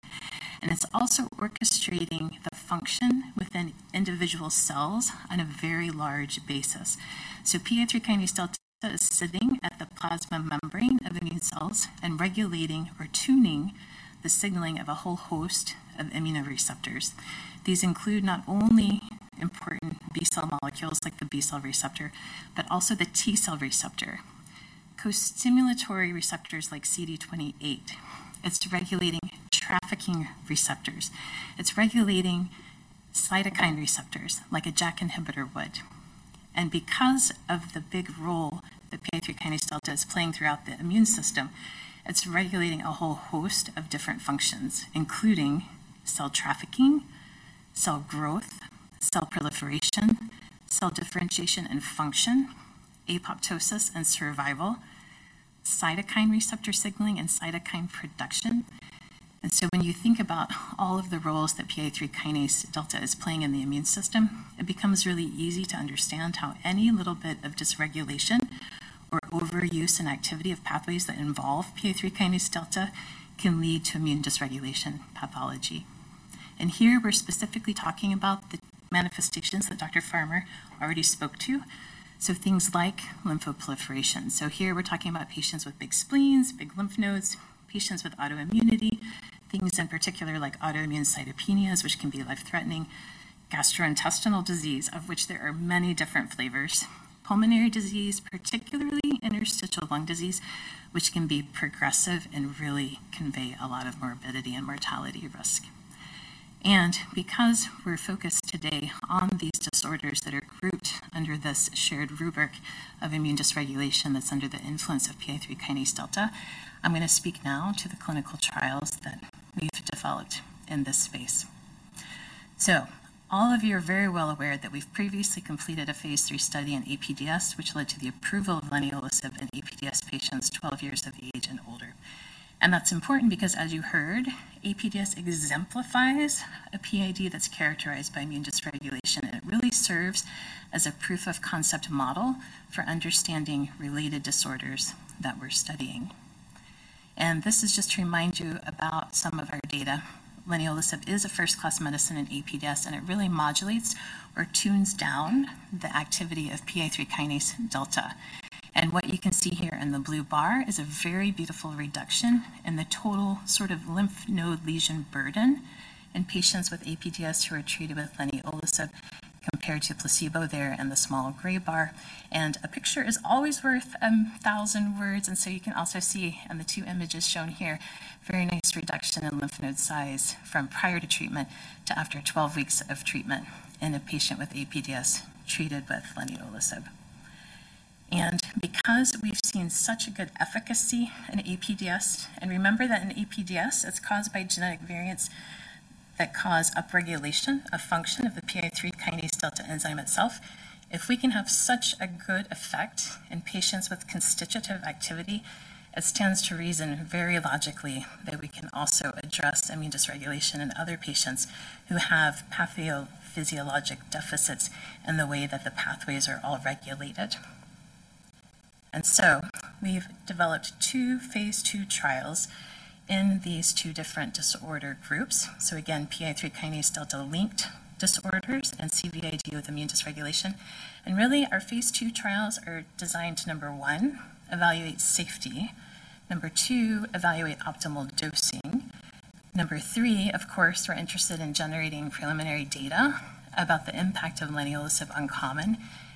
It's also orchestrating the function within individual cells on a very large basis. So PI3Kδ is sitting at the plasma membrane of immune cells and regulating or tuning the signaling of a whole host of immunoreceptors. These include not only important B cell molecules like the B cell receptor, but also the T cell receptor, co-stimulatory receptors like CD28. It's regulating trafficking receptors. It's regulating cytokine receptors like a JAK inhibitor would. And because of the big role that PI3Kδ is playing throughout the immune system, it's regulating a whole host of different functions, including cell trafficking, cell growth, cell proliferation, cell differentiation and function, apoptosis and survival, cytokine receptor signaling and cytokine production. And so when you think about all of the roles that PI3Kδ is playing in the immune system, it becomes really easy to understand how any little bit of dysregulation or overuse and activity of pathways that involve PI3Kδ can lead to immune dysregulation pathology. And here we're specifically talking about the manifestations that Dr. Farmer already spoke to. So things like lymphoproliferation. So here we're talking about patients with big spleens, big lymph nodes, patients with autoimmunity, things in particular like autoimmune cytopenias, which can be life-threatening, gastrointestinal disease, of which there are many different flavors, pulmonary disease, particularly interstitial lung disease, which can be progressive and really convey a lot of morbidity and mortality risk. Because we're focused today on these disorders that are grouped under this shared rubric of immune dysregulation that's under the PI3Kδ, I'm going to speak now to the clinical trials that we've developed in this space. All of you are very well aware that we've previously completed a phase III study in APDS, which led to the approval of leniolisib in APDS patients 12 years of age and older. That's important because, as you heard, APDS exemplifies a PID that's characterized by immune dysregulation. It really serves as a proof of concept model for understanding related disorders that we're studying. This is just to remind you about some of our data. Leniolisib is a first-in-class medicine in APDS. It really modulates or tunes down the activity of PI3Kδ. What you can see here in the blue bar is a very beautiful reduction in the total sort of lymph node lesion burden in patients with APDS who are treated with leniolisib compared to placebo there in the small gray bar. A picture is always worth a thousand words. So you can also see in the two images shown here, very nice reduction in lymph node size from prior to treatment to after 12 weeks of treatment in a patient with APDS treated with leniolisib. And because we've seen such a good efficacy in APDS, and remember that in APDS, it's caused by genetic variants that cause upregulation of function of the PI3Kδ enzyme itself, if we can have such a good effect in patients with constitutive activity, it stands to reason very logically that we can also address immune dysregulation in other patients who have pathophysiologic deficits in the way that the pathways are all regulated. And so we've developed two phase II trials in these two different disorder groups. So again, PI3Kδ linked disorders and CVID with immune dysregulation. And really, our phase II trials are designed to, number one, evaluate safety. Number two, evaluate optimal dosing. Number three, of course, we're interested in generating preliminary data about the impact of leniolisib on common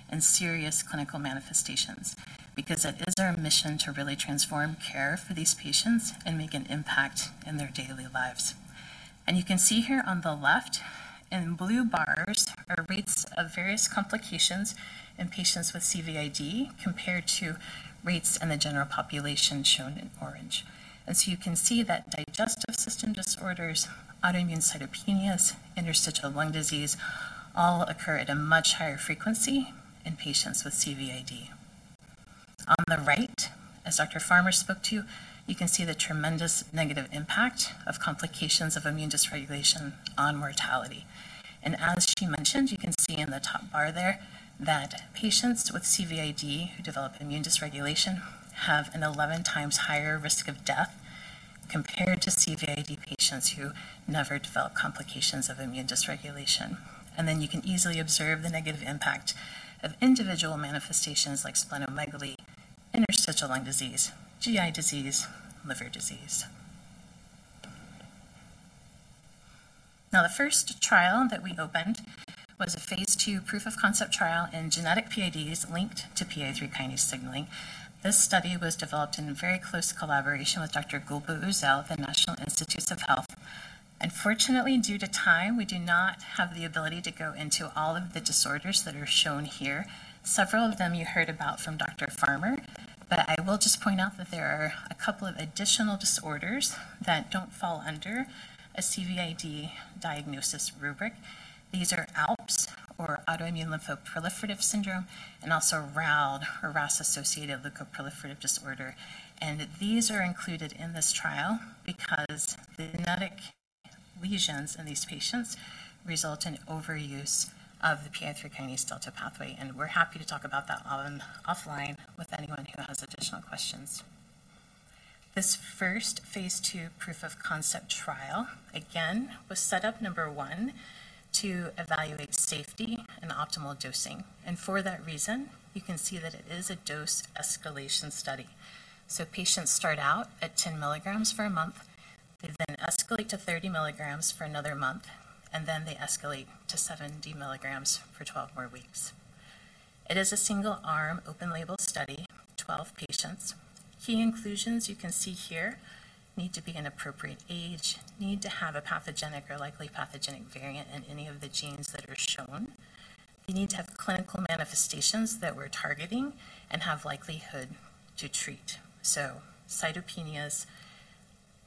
and serious clinical manifestations because it is our mission to really transform care for these patients and make an impact in their daily lives. You can see here on the left, in blue bars are rates of various complications in patients with CVID compared to rates in the general population shown in orange. So you can see that digestive system disorders, autoimmune cytopenias, interstitial lung disease, all occur at a much higher frequency in patients with CVID. On the right, as Dr. Farmer spoke to, you can see the tremendous negative impact of complications of immune dysregulation on mortality. As she mentioned, you can see in the top bar there that patients with CVID who develop immune dysregulation have an 11x higher risk of death compared to CVID patients who never develop complications of immune dysregulation. Then you can easily observe the negative impact of individual manifestations like splenomegaly, interstitial lung disease, GI disease, liver disease. Now, the first trial that we opened was a phase II proof of concept trial in genetic PIDs linked to PI3K signaling. This study was developed in very close collaboration with Dr. Gulbu Uzel at the National Institutes of Health. Unfortunately, due to time, we do not have the ability to go into all of the disorders that are shown here. Several of them you heard about from Dr. Farmer. But I will just point out that there are a couple of additional disorders that don't fall under a CVID diagnosis rubric. These are ALPS or autoimmune lymphoproliferative syndrome and also RALD or RAS-associated leukoproliferative disorder. And these are included in this trial because genetic lesions in these patients result in overuse of the PI3Kδ pathway. And we're happy to talk about that offline with anyone who has additional questions. This first phase II proof of concept trial, again, was set up, number one, to evaluate safety and optimal dosing. And for that reason, you can see that it is a dose escalation study. So patients start out at 10 mg for a month. They then escalate to 30 mg for another month. And then they escalate to 70 mg for 12 more weeks. It is a single-arm, open-label study, 12 patients. Key inclusions you can see here need to be an appropriate age, need to have a pathogenic or likely pathogenic variant in any of the genes that are shown. They need to have clinical manifestations that we're targeting and have likelihood to treat, so cytopenias,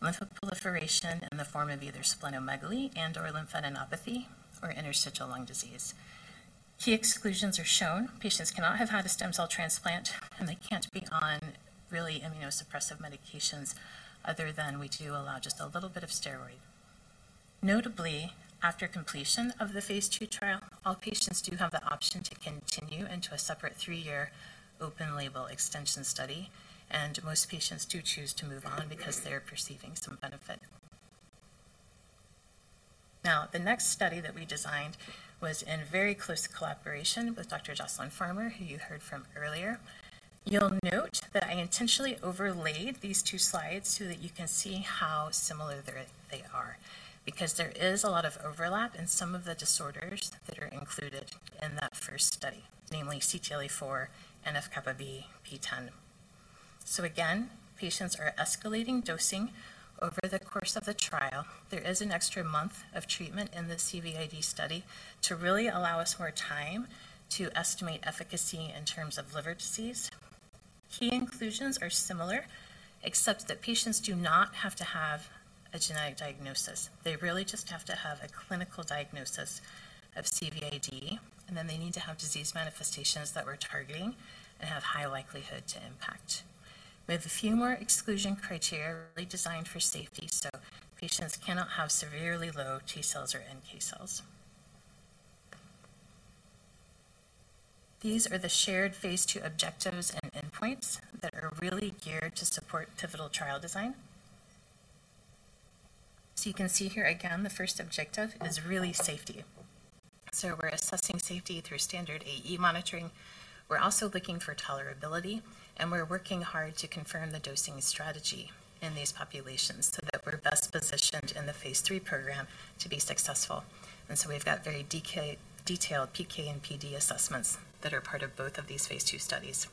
lymphoproliferation in the form of either splenomegaly and/or lymphadenopathy or interstitial lung disease. Key exclusions are shown. Patients cannot have had a stem cell transplant. And they can't be on really immunosuppressive medications other than we do allow just a little bit of steroid. Notably, after completion of the phase II trial, all patients do have the option to continue into a separate 3-year open-label extension study. And most patients do choose to move on because they're perceiving some benefit. Now, the next study that we designed was in very close collaboration with Dr. Jocelyn Farmer, who you heard from earlier. You'll note that I intentionally overlaid these two slides so that you can see how similar they are because there is a lot of overlap in some of the disorders that are included in that first study, namely CTLA-4 and FKBP10. So again, patients are escalating dosing over the course of the trial. There is an extra month of treatment in the CVID study to really allow us more time to estimate efficacy in terms of liver disease. Key inclusions are similar except that patients do not have to have a genetic diagnosis. They really just have to have a clinical diagnosis of CVID. And then they need to have disease manifestations that we're targeting and have high likelihood to impact. We have a few more exclusion criteria really designed for safety. So patients cannot have severely low T cells or NK cells. These are the shared phase II objectives and endpoints that are really geared to support pivotal trial design. So you can see here again, the first objective is really safety. So we're assessing safety through standard AE monitoring. We're also looking for tolerability. And we're working hard to confirm the dosing strategy in these populations so that we're best positioned in the phase III program to be successful. And so we've got very detailed PK and PD assessments that are part of both of these phase II studies.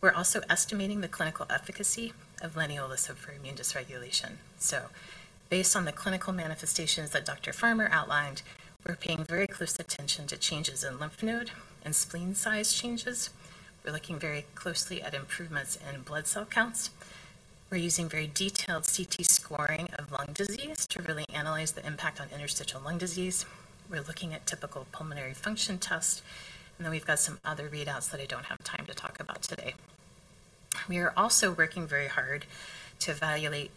We're also estimating the clinical efficacy of leniolisib for immune dysregulation. So based on the clinical manifestations that Dr. Farmer outlined, we're paying very close attention to changes in lymph node and spleen size changes. We're looking very closely at improvements in blood cell counts. We're using very detailed CT scoring of lung disease to really analyze the impact on interstitial lung disease. We're looking at typical pulmonary function tests. Then we've got some other readouts that I don't have time to talk about today. We are also working very hard to evaluate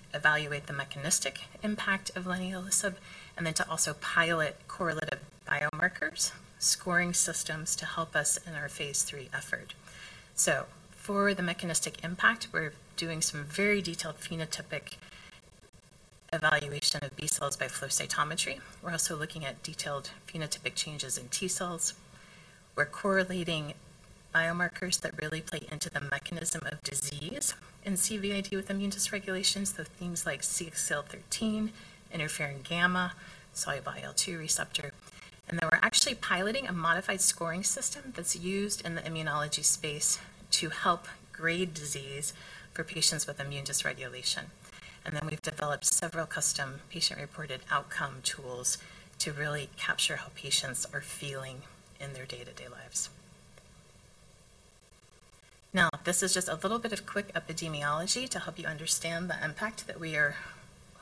the mechanistic impact of leniolisib and then to also pilot correlative biomarkers scoring systems to help us in our phase III effort. For the mechanistic impact, we're doing some very detailed phenotypic evaluation of B cells by flow cytometry. We're also looking at detailed phenotypic changes in T cells. We're correlating biomarkers that really play into the mechanism of disease in CVID with immune dysregulation, so things like CXCL13, interferon gamma, soluble IL-2 receptor. Then we're actually piloting a modified scoring system that's used in the immunology space to help grade disease for patients with immune dysregulation. Then we've developed several custom patient-reported outcome tools to really capture how patients are feeling in their day-to-day lives. Now, this is just a little bit of quick epidemiology to help you understand the impact that we are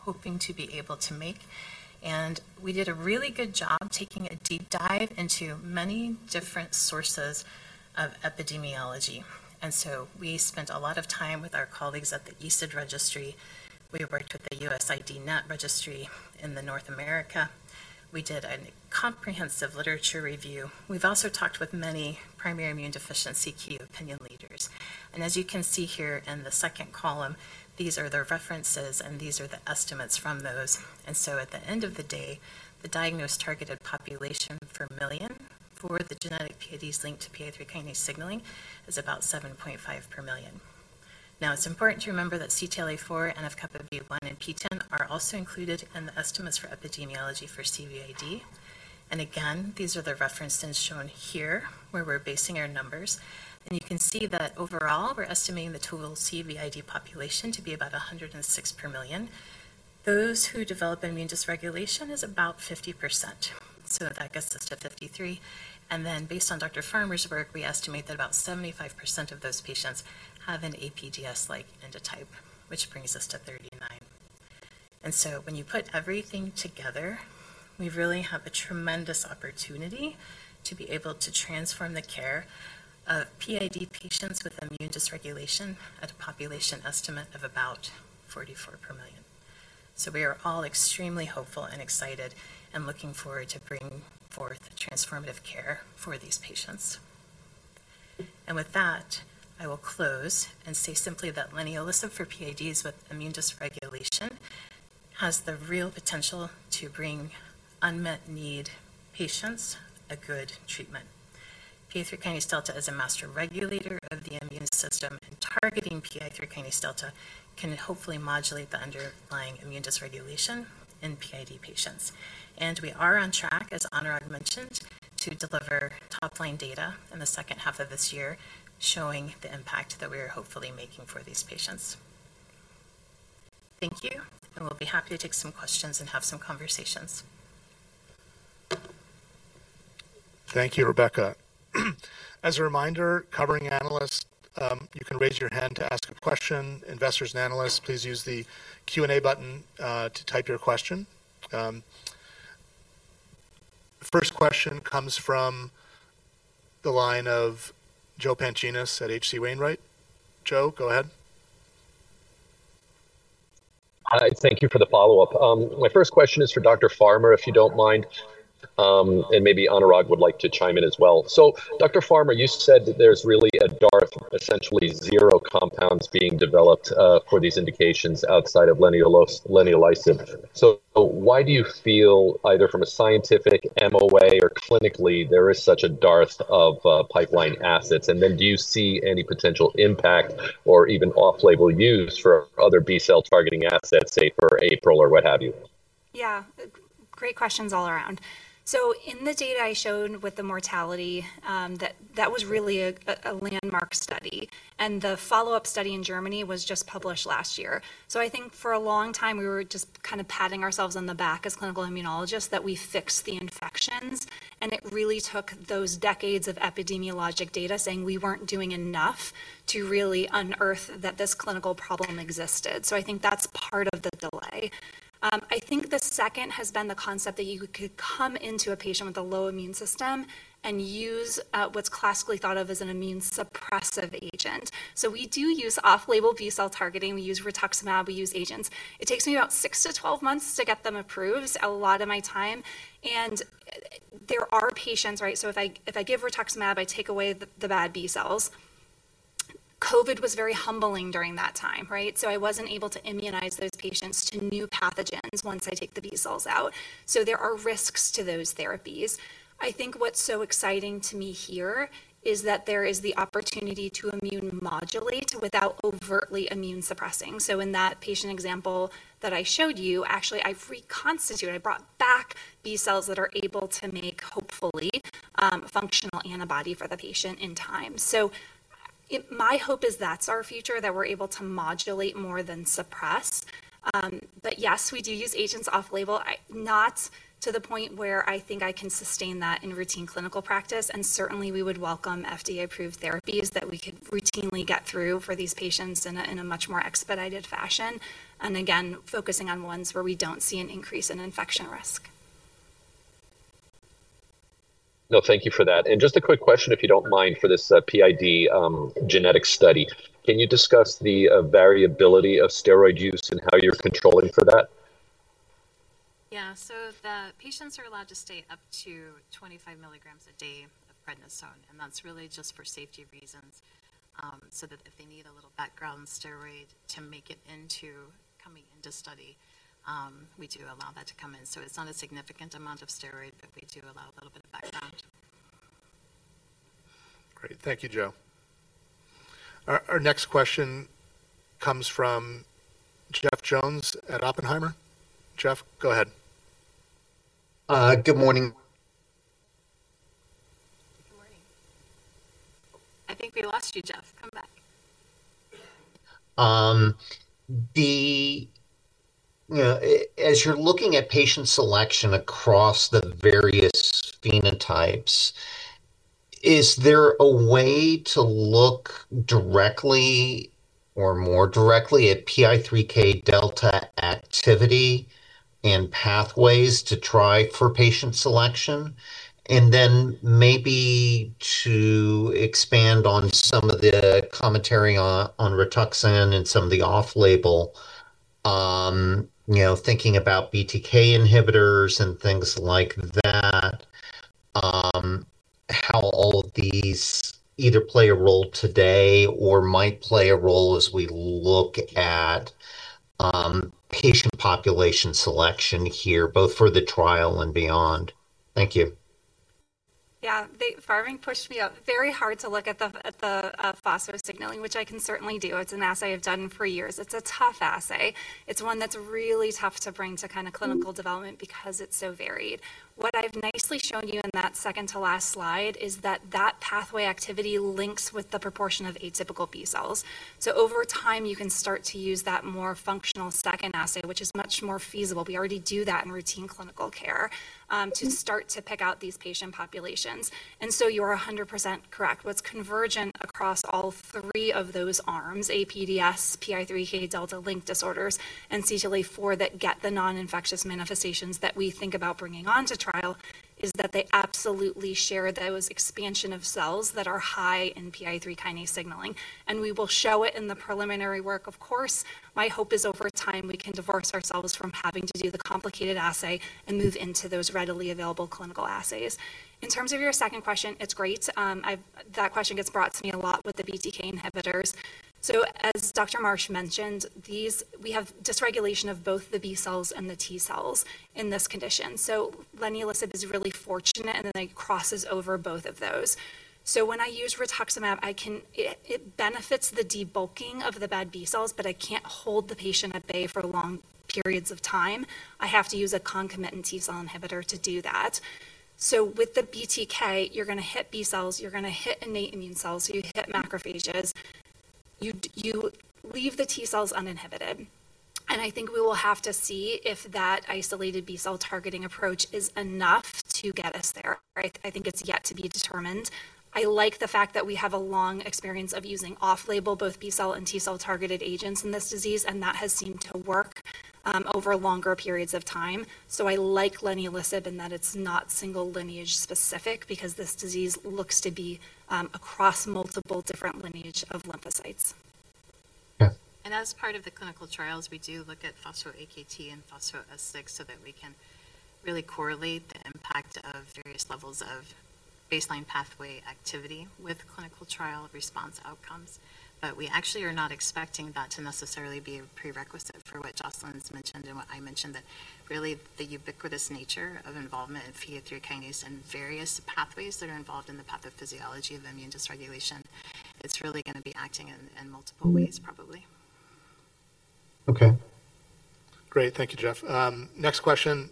hoping to be able to make. We did a really good job taking a deep dive into many different sources of epidemiology. So we spent a lot of time with our colleagues at the ESID registry. We worked with the USIDNET registry in North America. We did a comprehensive literature review. We've also talked with many primary immune deficiency key opinion leaders. As you can see here in the second column, these are their references. These are the estimates from those. So at the end of the day, the diagnosed targeted population per million for the genetic PIDs linked to PI3K signaling is about 7.5 per million. Now, it's important to remember that CTLA-4 and NF-κB1 and FKBP10 are also included in the estimates for epidemiology for CVID. Again, these are the references shown here where we're basing our numbers. You can see that overall, we're estimating the total CVID population to be about 106 per million. Those who develop immune dysregulation is about 50%. So that gets us to 53. Then based on Dr. Farmer's work, we estimate that about 75% of those patients have an APDS-like endotype, which brings us to 39. When you put everything together, we really have a tremendous opportunity to be able to transform the care of PID patients with immune dysregulation at a population estimate of about 44 per million. We are all extremely hopeful and excited and looking forward to bringing forth transformative care for these patients. With that, I will close and say simply that leniolisib for PIDs with immune dysregulation has the real potential to bring unmet need patients a good treatment. PI3Kδ, as a master regulator of the immune system and targeting PI3Kδ, can hopefully modulate the underlying immune dysregulation in PID patients. We are on track, as Anurag mentioned, to deliver top-line data in the second half of this year showing the impact that we are hopefully making for these patients. Thank you. We'll be happy to take some questions and have some conversations. Thank you, Rebecca. As a reminder, covering analysts, you can raise your hand to ask a question. Investors and analysts, please use the Q&A button to type your question. First question comes from the line of Joe Pantginis at H.C. Wainwright. Joe, go ahead. Hi. Thank you for the follow-up. My first question is for Dr. Farmer, if you don't mind. And maybe Anurag would like to chime in as well. So Dr. Farmer, you said that there's really a dearth, essentially zero compounds, being developed for these indications outside of leniolisib. So why do you feel, either from a scientific MOA or clinically, there is such a dearth of pipeline assets? And then do you see any potential impact or even off-label use for other B cell targeting assets, say, for APDS or what have you? Yeah. Great questions all around. So in the data I showed with the mortality, that was really a landmark study. And the follow-up study in Germany was just published last year. So I think for a long time, we were just kind of patting ourselves on the back as clinical immunologists that we fixed the infections. And it really took those decades of epidemiologic data saying we weren't doing enough to really unearth that this clinical problem existed. So I think that's part of the delay. I think the second has been the concept that you could come into a patient with a low immune system and use what's classically thought of as an immune suppressive agent. So we do use off-label B cell targeting. We use rituximab. We use agents. It takes me about 6 months-12 months to get them approved, a lot of my time. There are patients, right? If I give rituximab, I take away the bad B cells. COVID was very humbling during that time, right? I wasn't able to immunize those patients to new pathogens once I take the B cells out. There are risks to those therapies. I think what's so exciting to me here is that there is the opportunity to immune modulate without overtly immune suppressing. In that patient example that I showed you, actually, I reconstituted. I brought back B cells that are able to make, hopefully, a functional antibody for the patient in time. My hope is that's our future, that we're able to modulate more than suppress. Yes, we do use agents off-label, not to the point where I think I can sustain that in routine clinical practice. Certainly, we would welcome FDA-approved therapies that we could routinely get through for these patients in a much more expedited fashion, and again, focusing on ones where we don't see an increase in infection risk. No, thank you for that. Just a quick question, if you don't mind, for this PID genetic study. Can you discuss the variability of steroid use and how you're controlling for that? Yeah. So the patients are allowed to stay up to 25 mg a day of prednisone. That's really just for safety reasons. So that if they need a little background steroid to make it into coming into study, we do allow that to come in. So it's not a significant amount of steroid, but we do allow a little bit of background. Great. Thank you, Joe. Our next question comes from Jeff Jones at Oppenheimer. Jeff, go ahead. Good morning. Good morning. I think we lost you, Jeff. Come back. As you're looking at patient selection across the various phenotypes, is there a way to look directly or more directly at PI3Kẟ activity and pathways to try for patient selection? And then maybe to expand on some of the commentary on RITUXAN and some of the off-label, thinking about BTK inhibitors and things like that, how all of these either play a role today or might play a role as we look at patient population selection here, both for the trial and beyond. Thank you. Yeah. Pharming pushed me up very hard to look at the signaling, which I can certainly do. It's an assay I've done for years. It's a tough assay. It's one that's really tough to bring to kind of clinical development because it's so varied. What I've nicely shown you in that second-to-last slide is that that pathway activity links with the proportion of atypical B cells. So over time, you can start to use that more functional second assay, which is much more feasible. We already do that in routine clinical care to start to pick out these patient populations. And so you are 100% correct. What's convergent across all three of those arms, APDS, PI3Kẟ linked disorders, and CTLA-4 that get the non-infectious manifestations that we think about bringing on to trial, is that they absolutely share those expansion of cells that are high in PI3K signaling. And we will show it in the preliminary work, of course. My hope is over time, we can divorce ourselves from having to do the complicated assay and move into those readily available clinical assays. In terms of your second question, it's great. That question gets brought to me a lot with the BTK inhibitors. So as Dr. Marsh mentioned, we have dysregulation of both the B cells and the T cells in this condition. So leniolisib is really fortunate, and then it crosses over both of those. So when I use rituximab, it benefits the debulking of the bad B cells, but I can't hold the patient at bay for long periods of time. I have to use a concomitant T cell inhibitor to do that. So with the BTK, you're going to hit B cells. You're going to hit innate immune cells. You hit macrophages. You leave the T cells uninhibited. And I think we will have to see if that isolated B cell targeting approach is enough to get us there, right? I think it's yet to be determined. I like the fact that we have a long experience of using off-label both B cell and T cell targeted agents in this disease. And that has seemed to work over longer periods of time. I like leniolisib in that it's not single lineage specific because this disease looks to be across multiple different lineage of lymphocytes. Yes. As part of the clinical trials, we do look at phospho-AKT and phospho-S6 so that we can really correlate the impact of various levels of baseline pathway activity with clinical trial response outcomes. But we actually are not expecting that to necessarily be a prerequisite for what Jocelyn's mentioned and what I mentioned, that really the ubiquitous nature of involvement in PI3K and various pathways that are involved in the pathophysiology of immune dysregulation, it's really going to be acting in multiple ways, probably. Okay. Great. Thank you, Jeff. Next question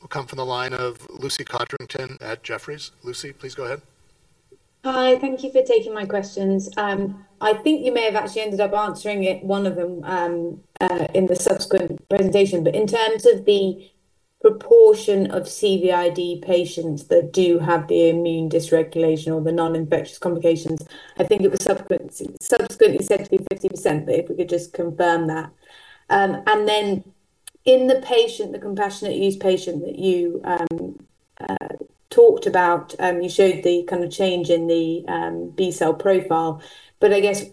will come from the line of Lucy Codrington at Jefferies. Lucy, please go ahead. Hi. Thank you for taking my questions. I think you may have actually ended up answering one of them in the subsequent presentation. But in terms of the proportion of CVID patients that do have the immune dysregulation or the non-infectious complications, I think it was subsequently said to be 50%, but if we could just confirm that. And then in the compassionate use patient that you talked about, you showed the kind of change in the B cell profile. But I guess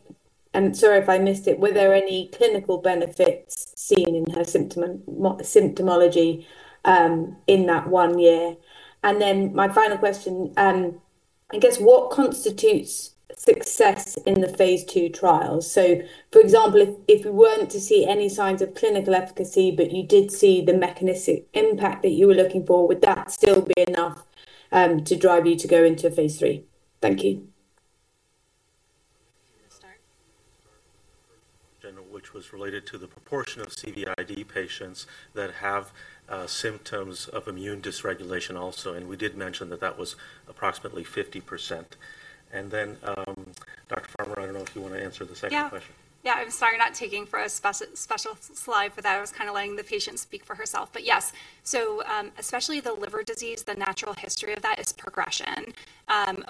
and sorry if I missed it. Were there any clinical benefits seen in her symptomology in that one year? And then my final question, I guess, what constitutes success in the phase II trials? For example, if we weren't to see any signs of clinical efficacy, but you did see the mechanistic impact that you were looking for, would that still be enough to drive you to go into phase III? Thank you. general which was related to the proportion of CVID patients that have symptoms of immune dysregulation also. And we did mention that that was approximately 50%. And then Dr. Farmer, I don't know if you want to answer the second question. Yeah. Yeah. I'm sorry, not having a special slide for that. I was kind of letting the patient speak for herself. But yes. So especially the liver disease, the natural history of that is progression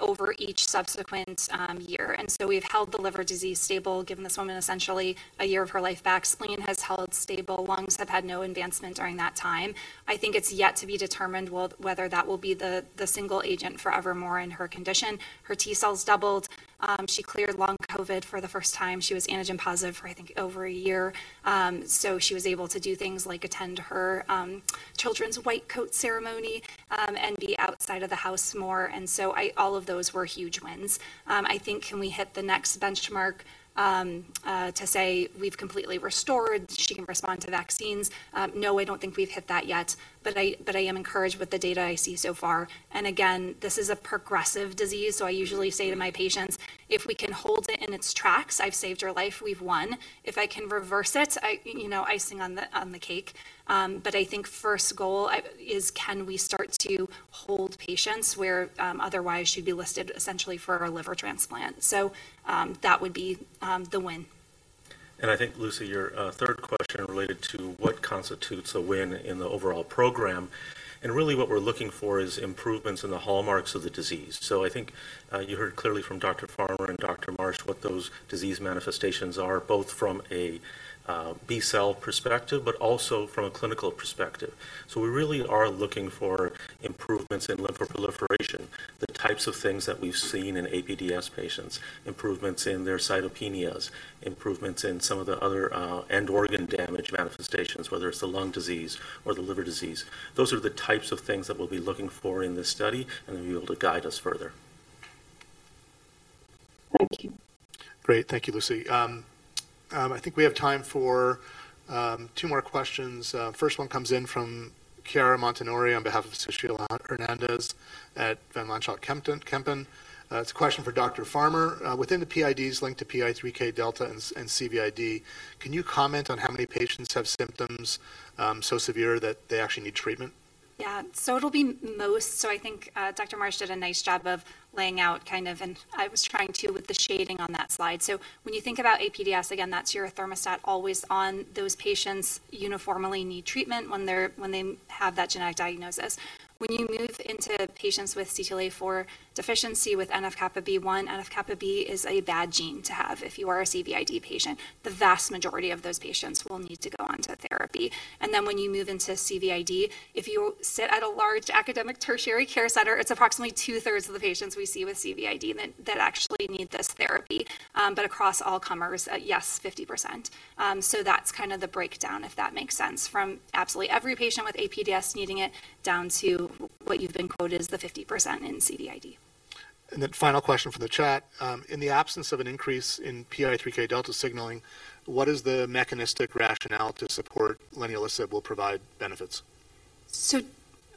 over each subsequent year. And so we've held the liver disease stable, given this woman essentially a year of her life back. Spleen has held stable. Lungs have had no advancement during that time. I think it's yet to be determined whether that will be the single agent forevermore in her condition. Her T cells doubled. She cleared long COVID for the first time. She was antigen positive for, I think, over a year. So she was able to do things like attend her children's white coat ceremony and be outside of the house more. And so all of those were huge wins. I think, can we hit the next benchmark to say we've completely restored? She can respond to vaccines. No, I don't think we've hit that yet. But I am encouraged with the data I see so far. And again, this is a progressive disease. So I usually say to my patients, "If we can hold it in its tracks, I've saved your life. We've won." If I can reverse it, icing on the cake. But I think first goal is, can we start to hold patients where otherwise she'd be listed essentially for a liver transplant? So that would be the win. I think, Lucy, your third question related to what constitutes a win in the overall program. Really, what we're looking for is improvements in the hallmarks of the disease. I think you heard clearly from Dr. Farmer and Dr. Marsh what those disease manifestations are, both from a B cell perspective, but also from a clinical perspective. We really are looking for improvements in lymphoproliferation, the types of things that we've seen in APDS patients, improvements in their cytopenias, improvements in some of the other end-organ damage manifestations, whether it's the lung disease or the liver disease. Those are the types of things that we'll be looking for in this study, and they'll be able to guide us further. Thank you. Great. Thank you, Lucy. I think we have time for two more questions. First one comes in from Chiara Montanari on behalf of Sushila Hernandez at Van Lanschot Kempen. It's a question for Dr. Farmer. Within the PIDs linked to PI3Kẟ and CVID, can you comment on how many patients have symptoms so severe that they actually need treatment? Yeah. So, I think Dr. Marsh did a nice job of laying out kind of, and I was trying to with the shading on that slide. So when you think about APDS, again, that's your thermostat always on. Those patients uniformly need treatment when they have that genetic diagnosis. When you move into patients with CTLA-4 deficiency with NF-κB1, NF-κB is a bad gene to have if you are a CVID patient. The vast majority of those patients will need to go on to therapy. And then when you move into CVID, if you sit at a large academic tertiary care center, it's approximately two-thirds of the patients we see with CVID that actually need this therapy. But across all-comers, yes, 50%. That's kind of the breakdown, if that makes sense, from absolutely every patient with APDS needing it down to what you've been quoted as the 50% in CVID. And then final question from the chat. In the absence of an increase in PI3Kẟ signaling, what is the mechanistic rationale to support leniolisib will provide benefits? So,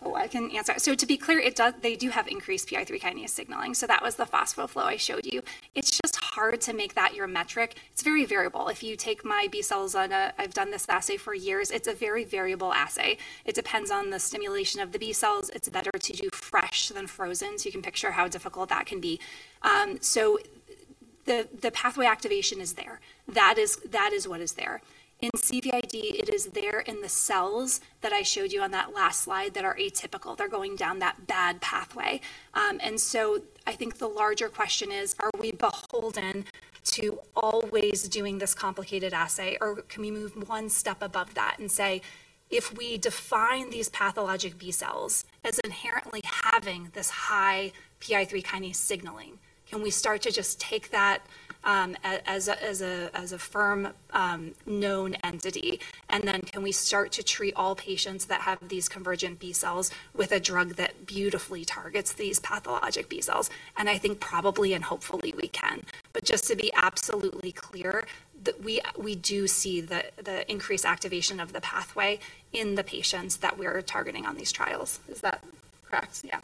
oh, I can answer. So to be clear, they do have increased PI3K signaling. So that was the phosphoflow I showed you. It's just hard to make that your metric. It's very variable. If you take my B cells on a I've done this assay for years. It's a very variable assay. It depends on the stimulation of the B cells. It's better to do fresh than frozen. So you can picture how difficult that can be. So the pathway activation is there. That is what is there. In CVID, it is there in the cells that I showed you on that last slide that are atypical. They're going down that bad pathway. And so I think the larger question is, are we beholden to always doing this complicated assay? Or can we move one step above that and say, if we define these pathologic B cells as inherently having this high PI3K signaling, can we start to just take that as a firm known entity? And then can we start to treat all patients that have these convergent B cells with a drug that beautifully targets these pathologic B cells? And I think probably and hopefully, we can. But just to be absolutely clear, we do see the increased activation of the pathway in the patients that we're targeting on these trials. Is that correct? Yeah.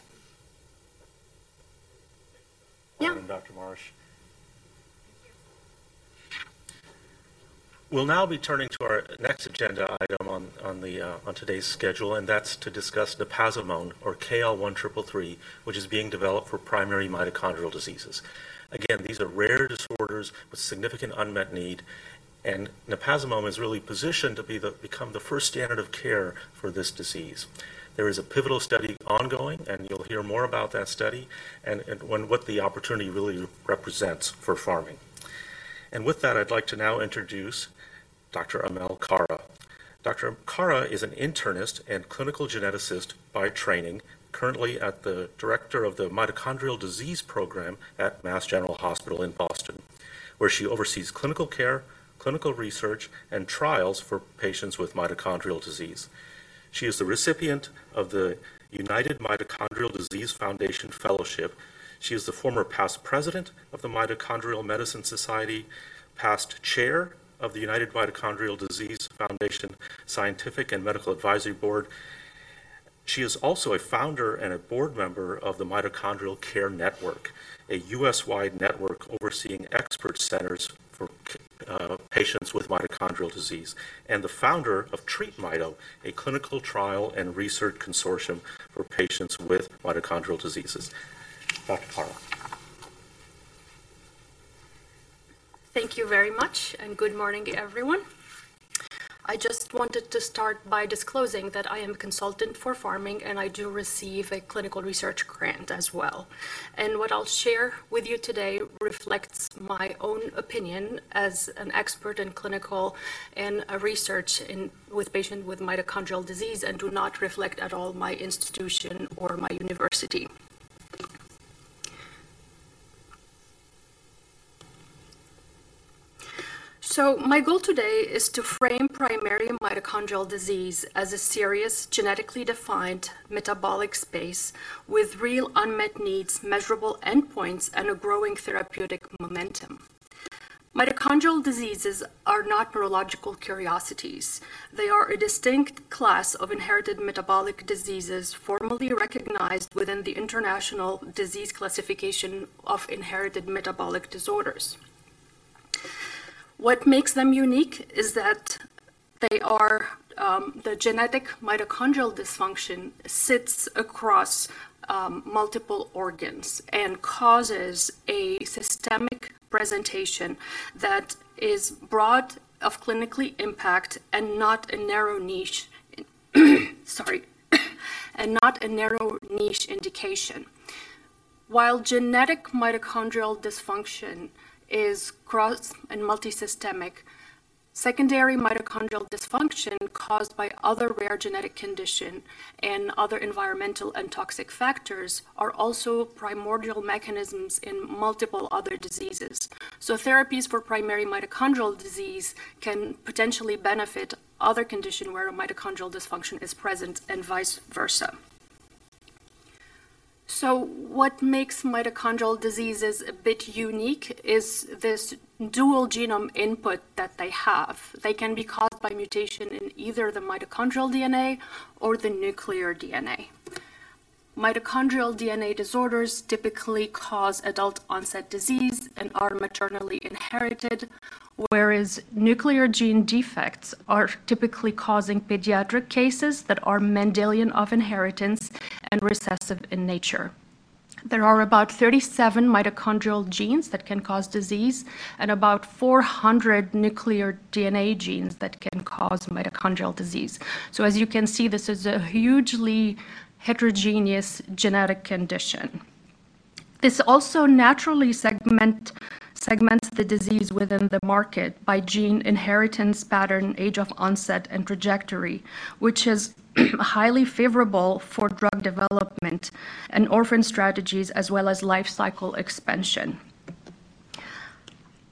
Yeah. And Dr. Marsh. Thank you. We'll now be turning to our next agenda item on today's schedule. That's to discuss napazimone or KL1333, which is being developed for primary mitochondrial diseases. Again, these are rare disorders with significant unmet need. napazimone is really positioned to become the first standard of care for this disease. There is a pivotal study ongoing. You'll hear more about that study and what the opportunity really represents for Pharming. With that, I'd like to now introduce Dr. Amel Karaa. Dr. Karaa is an internist and clinical geneticist by training, currently the director of the Mitochondrial Disease Program at Mass General Hospital in Boston, where she oversees clinical care, clinical research, and trials for patients with mitochondrial disease. She is the recipient of the United Mitochondrial Disease Foundation Fellowship. She is the former past president of the Mitochondrial Medicine Society, past chair of the United Mitochondrial Disease Foundation Scientific and Medical Advisory Board. She is also a founder and a board member of the Mitochondrial Care Network, a U.S.-wide network overseeing expert centers for patients with mitochondrial disease, and the founder of TREAT MITO, a clinical trial and research consortium for patients with mitochondrial diseases. Dr. Karaa. Thank you very much. Good morning, everyone. I just wanted to start by disclosing that I am a consultant for Pharming, and I do receive a clinical research grant as well. What I'll share with you today reflects my own opinion as an expert in clinical and research with patients with mitochondrial disease and do not reflect at all my institution or my university. My goal today is to frame primary mitochondrial disease as a serious, genetically defined metabolic space with real unmet needs, measurable endpoints, and a growing therapeutic momentum. Mitochondrial diseases are not neurological curiosities. They are a distinct class of inherited metabolic diseases formally recognized within the International Disease Classification of Inherited Metabolic Disorders. What makes them unique is that the genetic mitochondrial dysfunction sits across multiple organs and causes a systemic presentation that is broad in clinical impact and not a narrow niche, sorry, and not a narrow niche indication. While genetic mitochondrial dysfunction is cross- and multisystemic, secondary mitochondrial dysfunction caused by other rare genetic conditions and other environmental and toxic factors are also primary mechanisms in multiple other diseases. So therapies for primary mitochondrial disease can potentially benefit other conditions where a mitochondrial dysfunction is present and vice versa. So what makes mitochondrial diseases a bit unique is this dual genome input that they have. They can be caused by mutation in either the mitochondrial DNA or the nuclear DNA. Mitochondrial DNA disorders typically cause adult-onset disease and are maternally inherited, whereas nuclear gene defects are typically causing pediatric cases that are Mendelian inheritance and recessive in nature. There are about 37 mitochondrial genes that can cause disease and about 400 nuclear DNA genes that can cause mitochondrial disease. So as you can see, this is a hugely heterogeneous genetic condition. This also naturally segments the disease within the market by gene inheritance pattern, age of onset, and trajectory, which is highly favorable for drug development and orphan strategies as well as lifecycle expansion.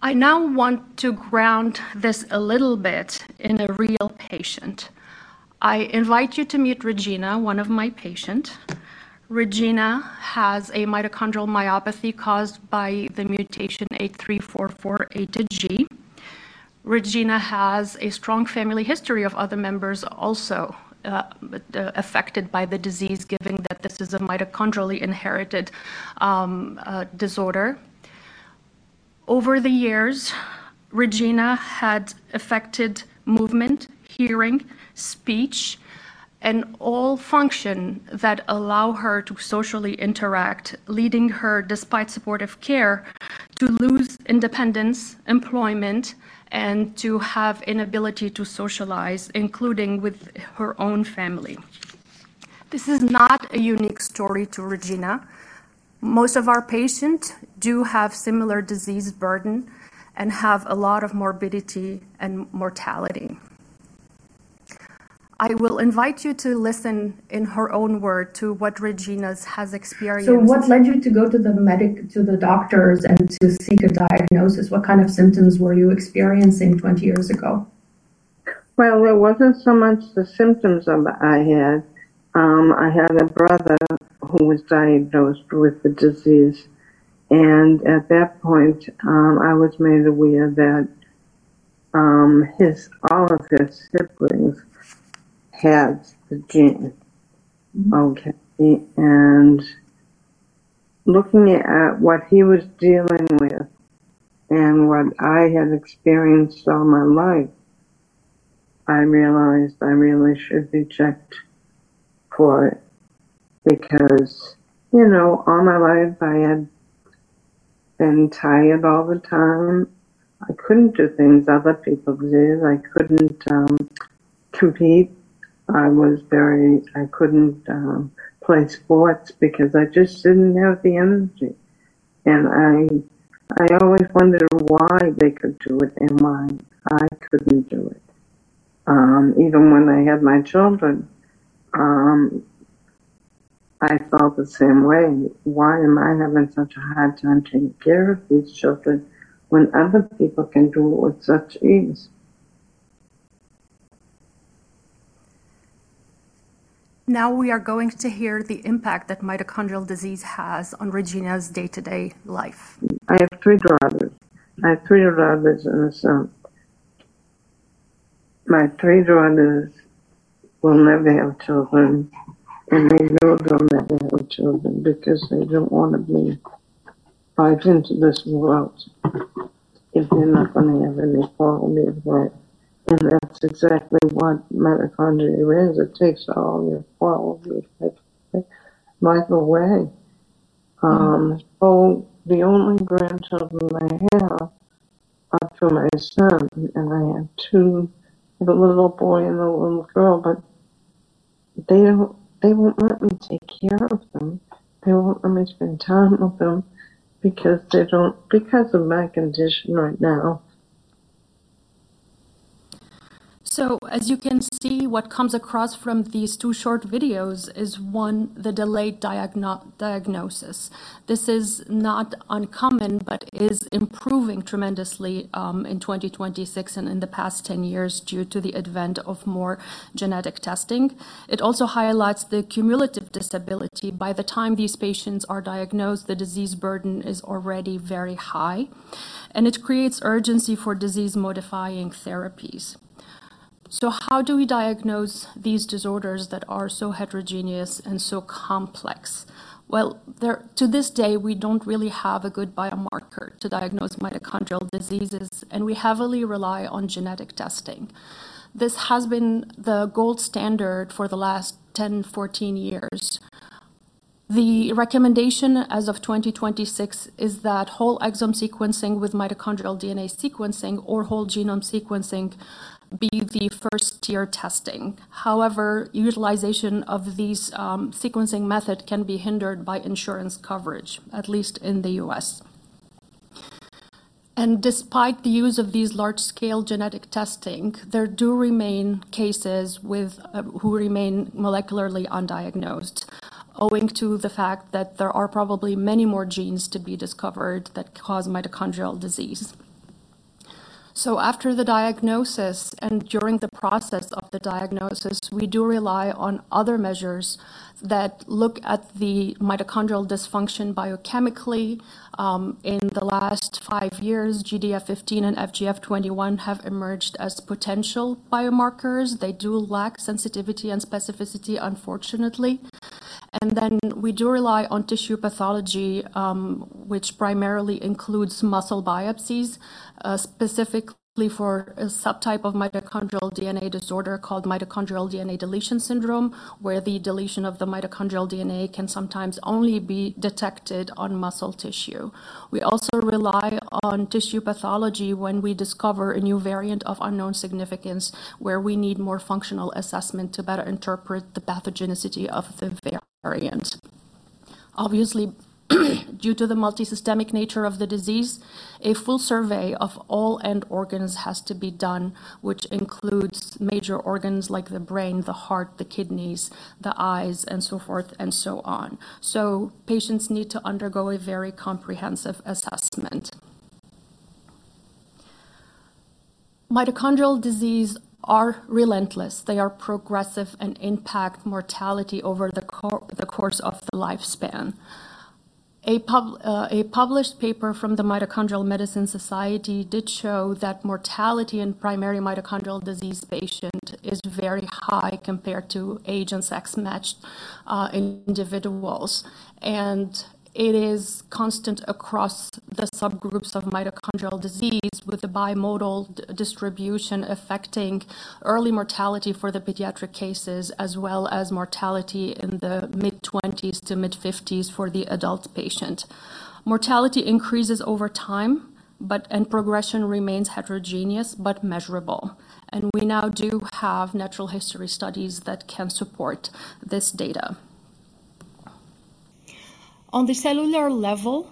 I now want to ground this a little bit in a real patient. I invite you to meet Regina, one of my patients. Regina has a mitochondrial myopathy caused by the mutation 8344A>G. Regina has a strong family history of other members also affected by the disease, given that this is a mitochondrially inherited disorder. Over the years, the disease had affected Regina's movement, hearing, speech, and all functions that allow her to socially interact, leading her, despite supportive care, to lose independence, employment, and the ability to socialize, including with her own family. This is not a unique story to Regina. Most of our patients do have similar disease burden and have a lot of morbidity and mortality. I will invite you to listen in her own words to what Regina has experienced. So what led you to go to the doctors and to seek a diagnosis? What kind of symptoms were you experiencing 20 years ago? Well, it wasn't so much the symptoms that I had. I had a brother who was diagnosed with the disease. At that point, I was made aware that all of his siblings had the gene. Looking at what he was dealing with and what I had experienced all my life, I realized I really should be checked for it because all my life, I had been tired all the time. I couldn't do things other people did. I couldn't compete. I couldn't play sports because I just didn't have the energy. I always wondered why they could do it and why I couldn't do it. Even when I had my children, I felt the same way. Why am I having such a hard time taking care of these children when other people can do it with such ease? Now we are going to hear the impact that mitochondrial disease has on Regina's day-to-day life. I have three brothers. I have three brothers and a son. My three brothers will never have children. They will never have children because they don't want to be fighting to this world if they're not going to have any quality of life. That's exactly what mitochondria is. It takes all your quality of life away. The only grandchildren I have are from my son. I have a little boy and a little girl. They won't let me take care of them. They won't let me spend time with them because of my condition right now. So as you can see, what comes across from these two short videos is, one, the delayed diagnosis. This is not uncommon but is improving tremendously in 2026 and in the past 10 years due to the advent of more genetic testing. It also highlights the cumulative disability. By the time these patients are diagnosed, the disease burden is already very high. It creates urgency for disease-modifying therapies. So how do we diagnose these disorders that are so heterogeneous and so complex? Well, to this day, we don't really have a good biomarker to diagnose mitochondrial diseases. We heavily rely on genetic testing. This has been the gold standard for the last 10 years, 14 years. The recommendation as of 2026 is that whole exome sequencing with mitochondrial DNA sequencing or whole genome sequencing be the first-tier testing. However, utilization of these sequencing methods can be hindered by insurance coverage, at least in the U.S. Despite the use of these large-scale genetic testing, there do remain cases who remain molecularly undiagnosed, owing to the fact that there are probably many more genes to be discovered that cause mitochondrial disease. After the diagnosis and during the process of the diagnosis, we do rely on other measures that look at the mitochondrial dysfunction biochemically. In the last five years, GDF15 and FGF21 have emerged as potential biomarkers. They do lack sensitivity and specificity, unfortunately. Then we do rely on tissue pathology, which primarily includes muscle biopsies, specifically for a subtype of mitochondrial DNA disorder called mitochondrial DNA deletion syndrome, where the deletion of the mitochondrial DNA can sometimes only be detected on muscle tissue. We also rely on tissue pathology when we discover a new variant of uncertain significance where we need more functional assessment to better interpret the pathogenicity of the variant. Obviously, due to the multisystemic nature of the disease, a full survey of all end organs has to be done, which includes major organs like the brain, the heart, the kidneys, the eyes, and so forth and so on. So patients need to undergo a very comprehensive assessment. Mitochondrial disease are relentless. They are progressive and impact mortality over the course of the lifespan. A published paper from the Mitochondrial Medicine Society did show that mortality in primary mitochondrial disease patients is very high compared to age and sex-matched individuals. It is constant across the subgroups of mitochondrial disease, with a bimodal distribution affecting early mortality for the pediatric cases as well as mortality in the mid-20s to mid-50s for the adult patient. Mortality increases over time, and progression remains heterogeneous but measurable. We now do have natural history studies that can support this data. On the cellular level,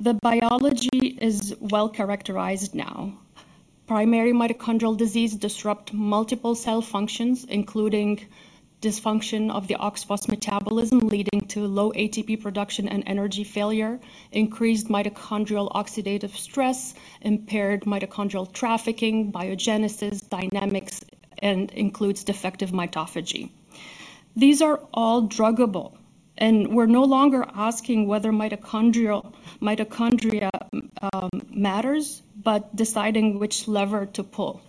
the biology is well characterized now. Primary mitochondrial disease disrupts multiple cell functions, including dysfunction of the OXPHOS metabolism, leading to low ATP production and energy failure, increased mitochondrial oxidative stress, impaired mitochondrial trafficking, biogenesis, dynamics, and includes defective mitophagy. These are all druggable. We're no longer asking whether mitochondria matters but deciding which lever to pull.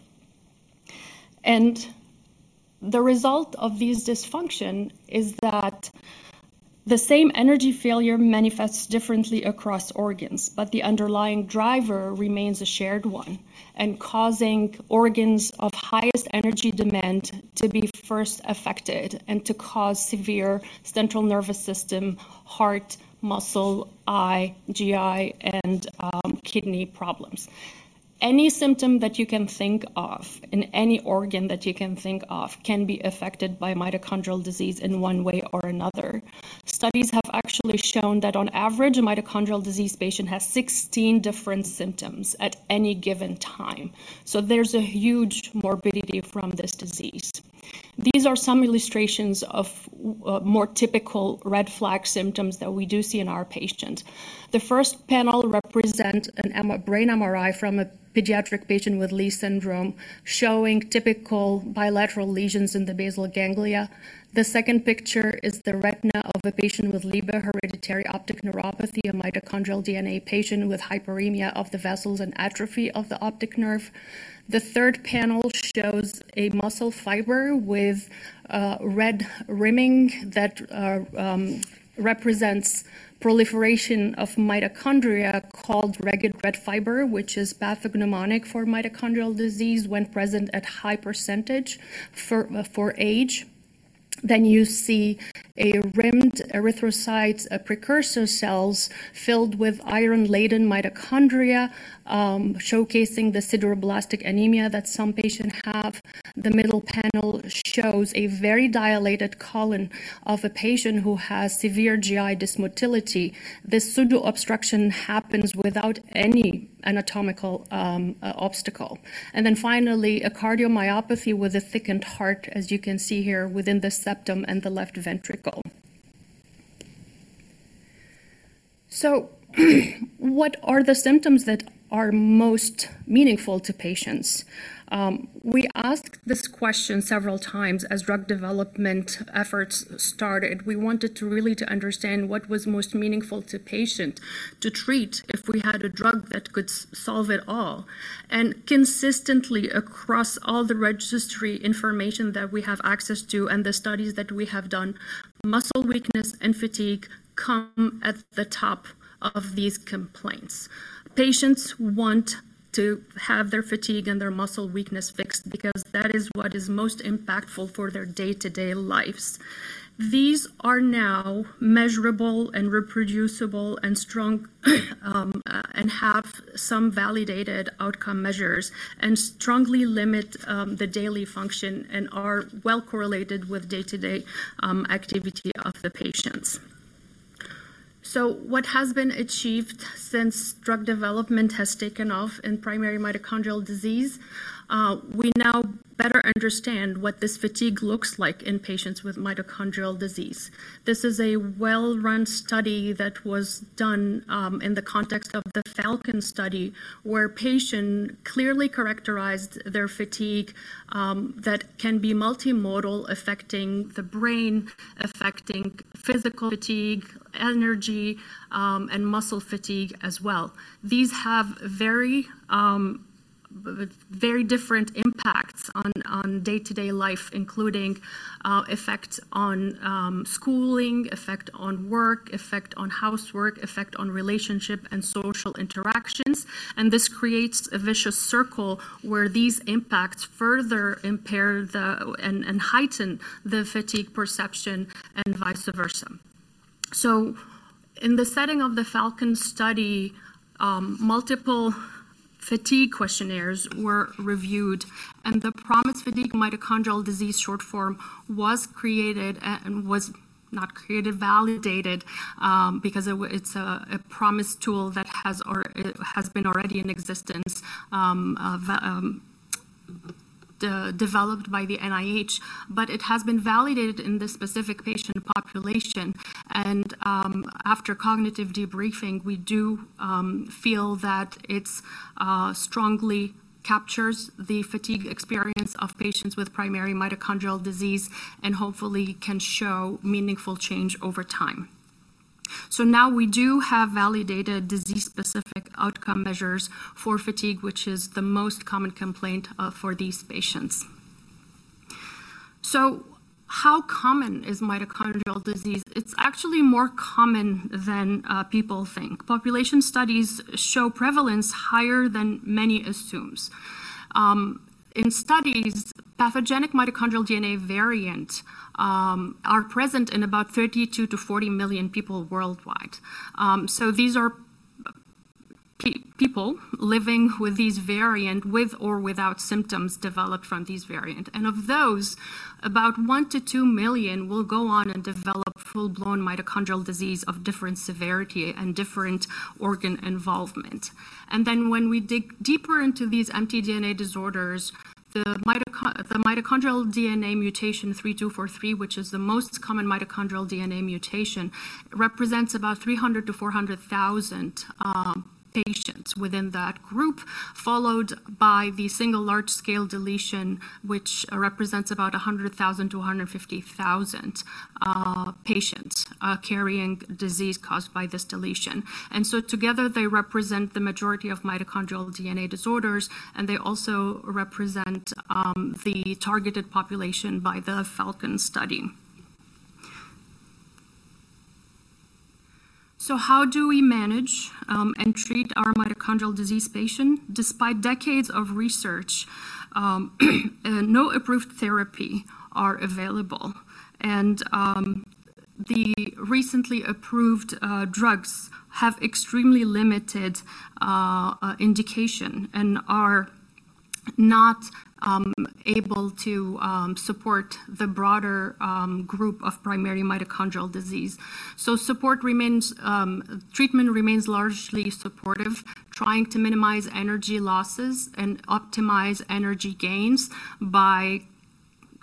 The result of this dysfunction is that the same energy failure manifests differently across organs. But the underlying driver remains a shared one, causing organs of highest energy demand to be first affected and to cause severe central nervous system, heart, muscle, eye, GI, and kidney problems. Any symptom that you can think of in any organ that you can think of can be affected by mitochondrial disease in one way or another. Studies have actually shown that, on average, a mitochondrial disease patient has 16 different symptoms at any given time. So there's a huge morbidity from this disease. These are some illustrations of more typical red flag symptoms that we do see in our patients. The first panel represents a brain MRI from a pediatric patient with Leigh syndrome, showing typical bilateral lesions in the basal ganglia. The second picture is the retina of a patient with Leber hereditary optic neuropathy, a mitochondrial DNA patient with hyperemia of the vessels and atrophy of the optic nerve. The third panel shows a muscle fiber with red rimming that represents proliferation of mitochondria called ragged red fiber, which is pathognomonic for mitochondrial disease when present at high percentage for age. Then you see ringed erythrocyte precursor cells filled with iron-laden mitochondria, showcasing the sideroblastic anemia that some patients have. The middle panel shows a very dilated colon of a patient who has severe GI dysmotility. This pseudo-obstruction happens without any anatomical obstacle. Then finally, a cardiomyopathy with a thickened heart, as you can see here, within the septum and the left ventricle. So what are the symptoms that are most meaningful to patients? We asked this question several times as drug development efforts started. We wanted to really understand what was most meaningful to patients to treat if we had a drug that could solve it all. Consistently, across all the registry information that we have access to and the studies that we have done, muscle weakness and fatigue come at the top of these complaints. Patients want to have their fatigue and their muscle weakness fixed because that is what is most impactful for their day-to-day lives. These are now measurable and reproducible and have some validated outcome measures and strongly limit the daily function and are well correlated with day-to-day activity of the patients. What has been achieved since drug development has taken off in primary mitochondrial disease? We now better understand what this fatigue looks like in patients with mitochondrial disease. This is a well-run study that was done in the context of the FALCON study, where patients clearly characterized their fatigue that can be multimodal, affecting the brain, affecting physical fatigue, energy, and muscle fatigue as well. These have very different impacts on day-to-day life, including effects on schooling, effect on work, effect on housework, effect on relationship and social interactions. This creates a vicious circle where these impacts further impair and heighten the fatigue perception and vice versa. In the setting of the FALCON study, multiple fatigue questionnaires were reviewed. The PROMIS Fatigue Mitochondrial Disease short form was created and was not created, validated, because it's a PROMIS tool that has been already in existence, developed by the NIH. It has been validated in this specific patient population. After cognitive debriefing, we do feel that it strongly captures the fatigue experience of patients with primary mitochondrial disease and hopefully can show meaningful change over time. Now we do have validated disease-specific outcome measures for fatigue, which is the most common complaint for these patients. How common is mitochondrial disease? It's actually more common than people think. Population studies show prevalence higher than many assume. In studies, pathogenic mitochondrial DNA variants are present in about 32 million-40 million people worldwide. These are people living with these variants with or without symptoms developed from these variants. Of those, about 1 million-2 million will go on and develop full-blown mitochondrial disease of different severity and different organ involvement. When we dig deeper into these mtDNA disorders, the mitochondrial DNA mutation 3243, which is the most common mitochondrial DNA mutation, represents about 300,000-400,000 patients within that group, followed by the single large-scale deletion, which represents about 100,000-150,000 patients carrying disease caused by this deletion. Together, they represent the majority of mitochondrial DNA disorders. They also represent the targeted population by the FALCON study. How do we manage and treat our mitochondrial disease patients? Despite decades of research, no approved therapy is available. The recently approved drugs have extremely limited indication and are not able to support the broader group of primary mitochondrial disease. So treatment remains largely supportive, trying to minimize energy losses and optimize energy gains by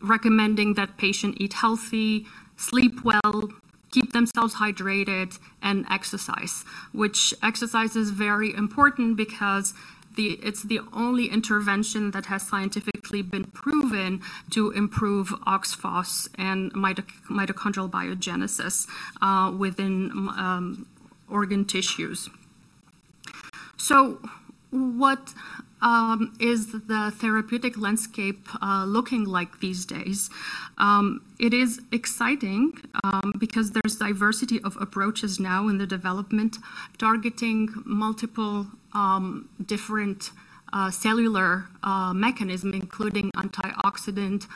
recommending that patients eat healthy, sleep well, keep themselves hydrated, and exercise, which exercise is very important because it's the only intervention that has scientifically been proven to improve OXPHOS and mitochondrial biogenesis within organ tissues. So what is the therapeutic landscape looking like these days? It is exciting because there's diversity of approaches now in the development targeting multiple different cellular mechanisms, including antioxidant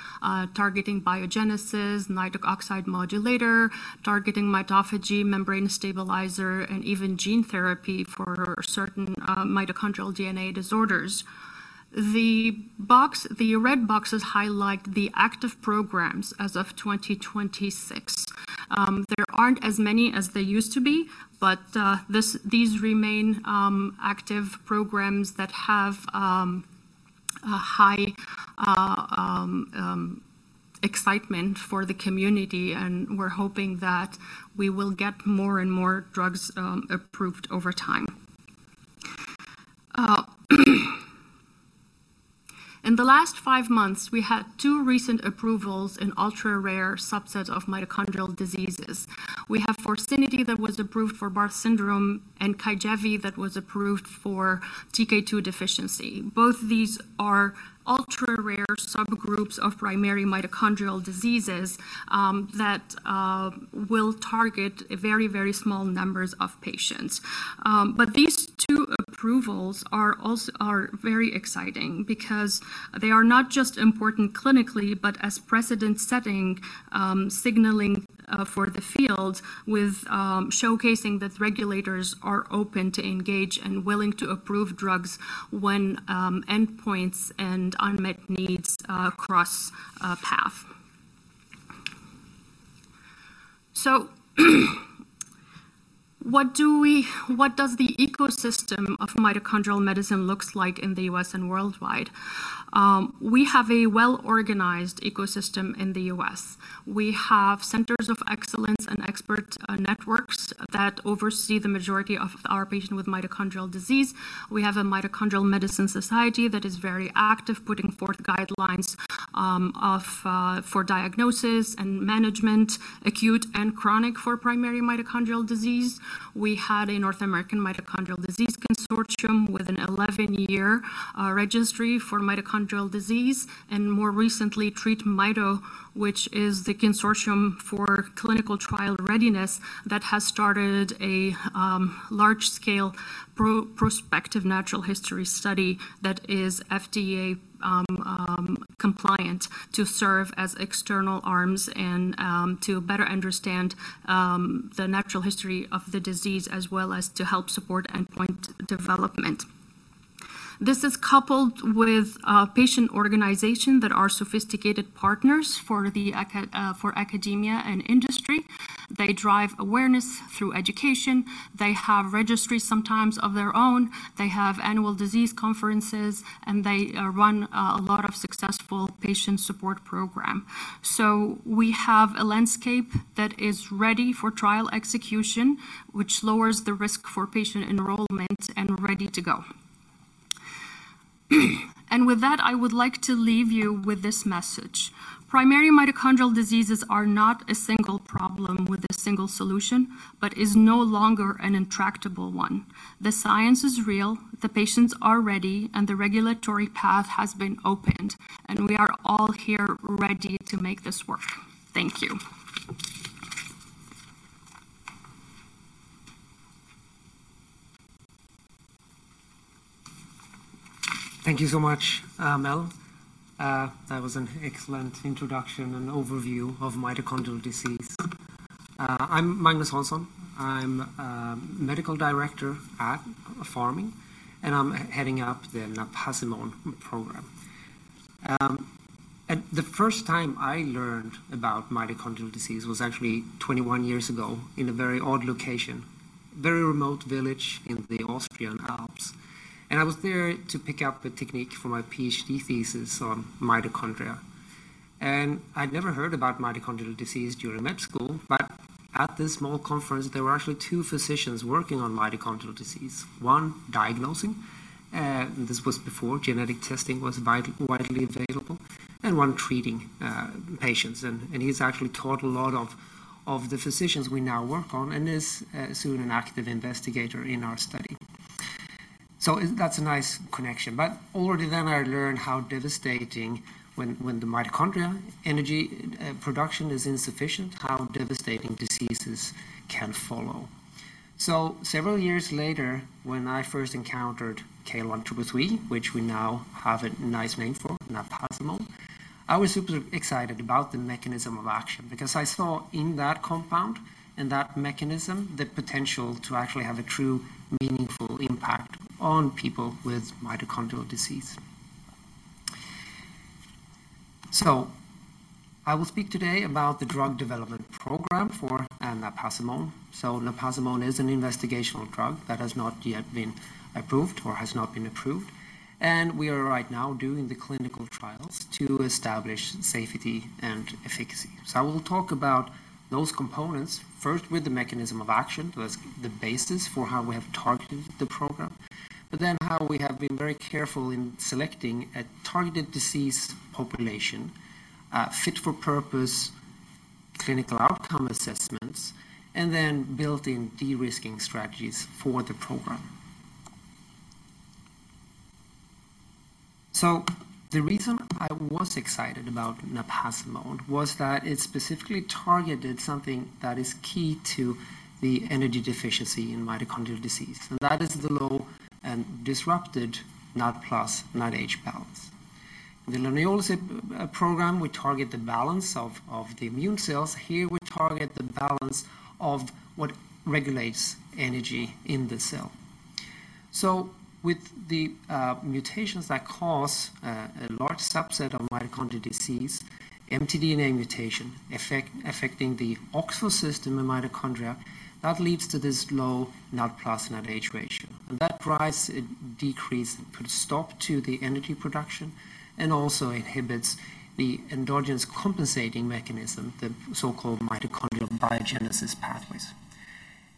targeting biogenesis, nitric oxide modulator targeting mitophagy, membrane stabilizer, and even gene therapy for certain mitochondrial DNA disorders. The red boxes highlight the active programs as of 2026. There aren't as many as there used to be. But these remain active programs that have high excitement for the community. And we're hoping that we will get more and more drugs approved over time. In the last five months, we had two recent approvals in ultra-rare subsets of mitochondrial diseases. We have Forzinity that was approved for Barth syndrome and Kygevvi that was approved for TK2 deficiency. Both these are ultra-rare subgroups of primary mitochondrial diseases that will target very, very small numbers of patients. But these two approvals are very exciting because they are not just important clinically but as precedent-setting, signaling for the field, showcasing that regulators are open to engage and willing to approve drugs when endpoints and unmet needs cross path. So what does the ecosystem of mitochondrial medicine look like in the U.S. and worldwide? We have a well-organized ecosystem in the U.S. We have centers of excellence and expert networks that oversee the majority of our patients with mitochondrial disease. We have a Mitochondrial Medicine Society that is very active, putting forth guidelines for diagnosis and management, acute and chronic, for primary mitochondrial disease. We had a North American Mitochondrial Disease Consortium with an 11-year registry for mitochondrial disease. More recently, TREAT MITO, which is the consortium for clinical trial readiness, that has started a large-scale prospective natural history study that is FDA-compliant to serve as external arms and to better understand the natural history of the disease as well as to help support endpoint development. This is coupled with patient organizations that are sophisticated partners for academia and industry. They drive awareness through education. They have registries sometimes of their own. They have annual disease conferences. They run a lot of successful patient support programs. We have a landscape that is ready for trial execution, which lowers the risk for patient enrollment and is ready to go. With that, I would like to leave you with this message: Primary mitochondrial diseases are not a single problem with a single solution but are no longer an intractable one. The science is real. The patients are ready. And we are all here ready to make this work. Thank you. Thank you so much, Amel. That was an excellent introduction and overview of mitochondrial disease. I'm Magnus Hansson. I'm a Medical Director at Pharming. I'm heading up the napazimone program. The first time I learned about mitochondrial disease was actually 21 years ago in a very odd location, a very remote village in the Austrian Alps. I was there to pick up a technique for my PhD thesis on mitochondria. I'd never heard about mitochondrial disease during med school. But at this small conference, there were actually two physicians working on mitochondrial disease, one diagnosing--this was before genetic testing was widely available--and one treating patients. He's actually taught a lot of the physicians we now work on and is soon an active investigator in our study. So that's a nice connection. But already then, I learned how devastating, when the mitochondrial energy production is insufficient, how devastating diseases can follow. So several years later, when I first encountered KL1333, which we now have a nice name for, napazimone, I was super excited about the mechanism of action because I saw in that compound and that mechanism the potential to actually have a true, meaningful impact on people with mitochondrial disease. So I will speak today about the drug development program for napazimone. So napazimone is an investigational drug that has not yet been approved or has not been approved. And we are right now doing the clinical trials to establish safety and efficacy. So I will talk about those components, first with the mechanism of action, the basis for how we have targeted the program, but then how we have been very careful in selecting a targeted disease population, fit-for-purpose clinical outcome assessments, and then built-in de-risking strategies for the program. So the reason I was excited about napazimone was that it specifically targeted something that is key to the energy deficiency in mitochondrial disease. And that is the low and disrupted NAD+/NADH balance. In the leniolisib program, we target the balance of the immune cells. Here, we target the balance of what regulates energy in the cell. So with the mutations that cause a large subset of mitochondrial disease, mtDNA mutation affecting the OXPHOS system in mitochondria, that leads to this low NAD+/NADH ratio. That drives a decrease, puts a stop to the energy production, and also inhibits the endogenous compensating mechanism, the so-called mitochondrial biogenesis pathways.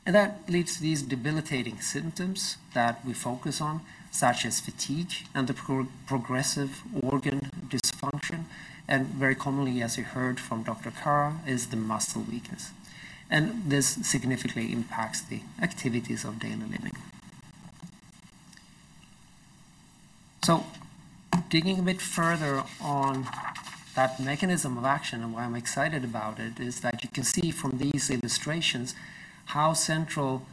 That leads to these debilitating symptoms that we focus on, such as fatigue and the progressive organ dysfunction. Very commonly, as you heard from Dr. Karaa, is the muscle weakness. This significantly impacts the activities of daily living. Digging a bit further on that mechanism of action and why I'm excited about it is that you can see from these illustrations how central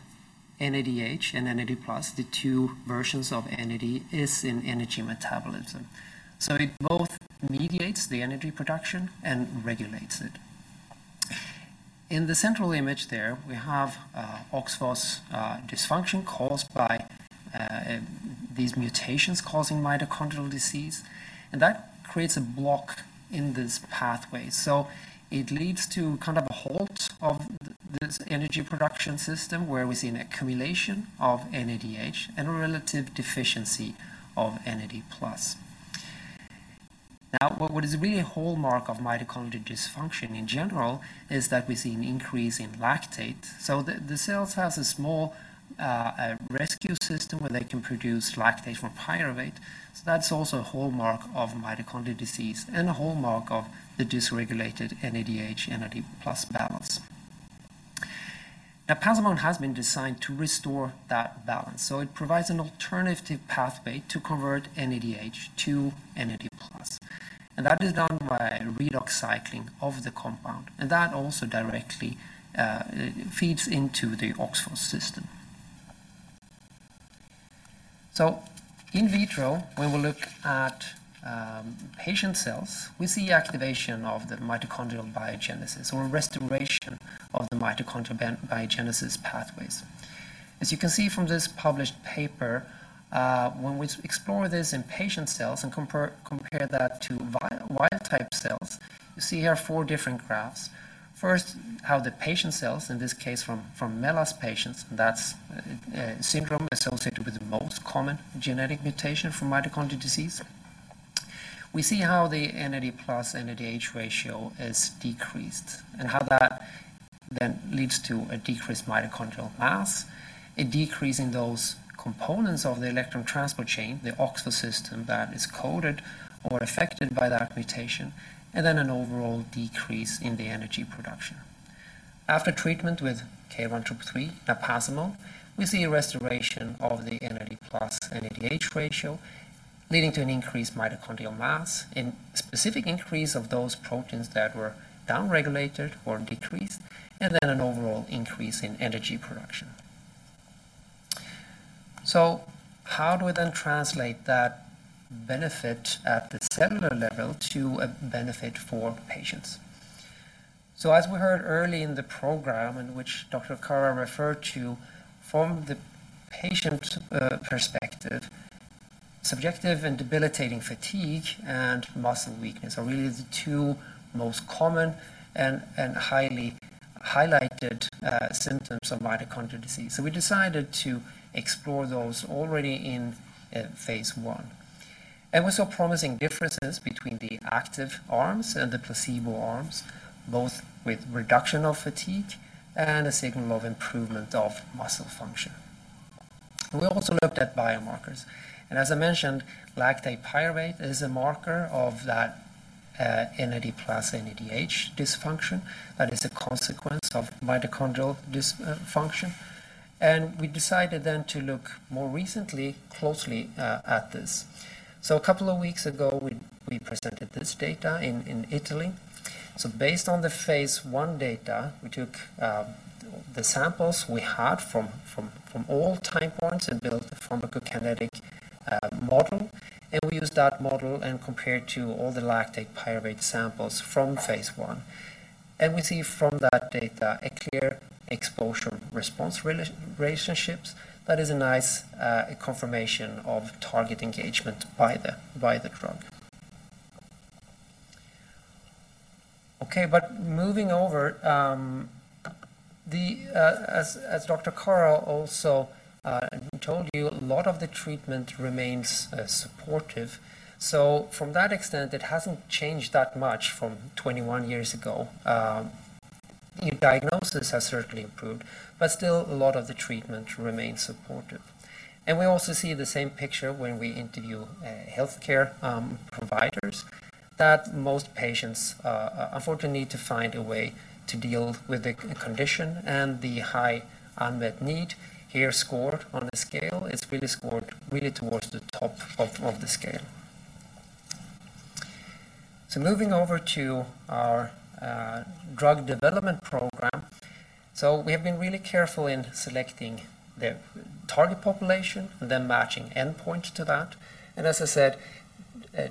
NADH and NAD+, the two versions of NAD, are in energy metabolism. It both mediates the energy production and regulates it. In the central image there, we have OXPHOS dysfunction caused by these mutations causing mitochondrial disease. That creates a block in this pathway. So it leads to kind of a halt of this energy production system where we see an accumulation of NADH and a relative deficiency of NAD+. Now, what is really a hallmark of mitochondrial dysfunction in general is that we see an increase in lactate. So the cells have a small rescue system where they can produce lactate from pyruvate. So that's also a hallmark of mitochondrial disease and a hallmark of the dysregulated NADH/NAD+ balance. Napazimone has been designed to restore that balance. So it provides an alternative pathway to convert NADH to NAD+. And that is done by redox cycling of the compound. And that also directly feeds into the OXPHOS system. So in vitro, when we look at patient cells, we see activation of the mitochondrial biogenesis or restoration of the mitochondrial biogenesis pathways. As you can see from this published paper, when we explore this in patient cells and compare that to wild-type cells, you see here four different graphs. First, how the patient cells, in this case from MELAS patients, that's syndrome associated with the most common genetic mutation for mitochondrial disease. We see how the NAD+/NADH ratio is decreased and how that then leads to a decreased mitochondrial mass, a decrease in those components of the electron transport chain, the OXPHOS system that is coded or affected by that mutation, and then an overall decrease in the energy production. After treatment with KL1333, napazimone, we see a restoration of the NAD+/NADH ratio, leading to an increased mitochondrial mass, a specific increase of those proteins that were downregulated or decreased, and then an overall increase in energy production. How do we then translate that benefit at the cellular level to a benefit for patients? As we heard early in the program and which Dr. Karaa referred to, from the patient perspective, subjective and debilitating fatigue and muscle weakness are really the two most common and highly highlighted symptoms of mitochondrial disease. We decided to explore those already in phase I. We saw promising differences between the active arms and the placebo arms, both with reduction of fatigue and a signal of improvement of muscle function. We also looked at biomarkers. As I mentioned, lactate pyruvate is a marker of that NAD+/NADH dysfunction that is a consequence of mitochondrial dysfunction. We decided then to look more recently closely at this. A couple of weeks ago, we presented this data in Italy. Based on the phase I data, we took the samples we had from all time points and built a pharmacokinetic model. We used that model and compared it to all the lactate pyruvate samples from phase I. We see from that data a clear exposure-response relationship. That is a nice confirmation of target engagement by the drug. OK, but moving over, as Dr. Karaa also told you, a lot of the treatment remains supportive. To that extent, it hasn't changed that much from 21 years ago. Your diagnosis has certainly improved. But still, a lot of the treatment remains supportive. We also see the same picture when we interview health care providers, that most patients, unfortunately, need to find a way to deal with the condition and the high unmet need. Here, scored on a scale, it's really scored really towards the top of the scale. So moving over to our drug development program, so we have been really careful in selecting the target population and then matching endpoints to that. And as I said,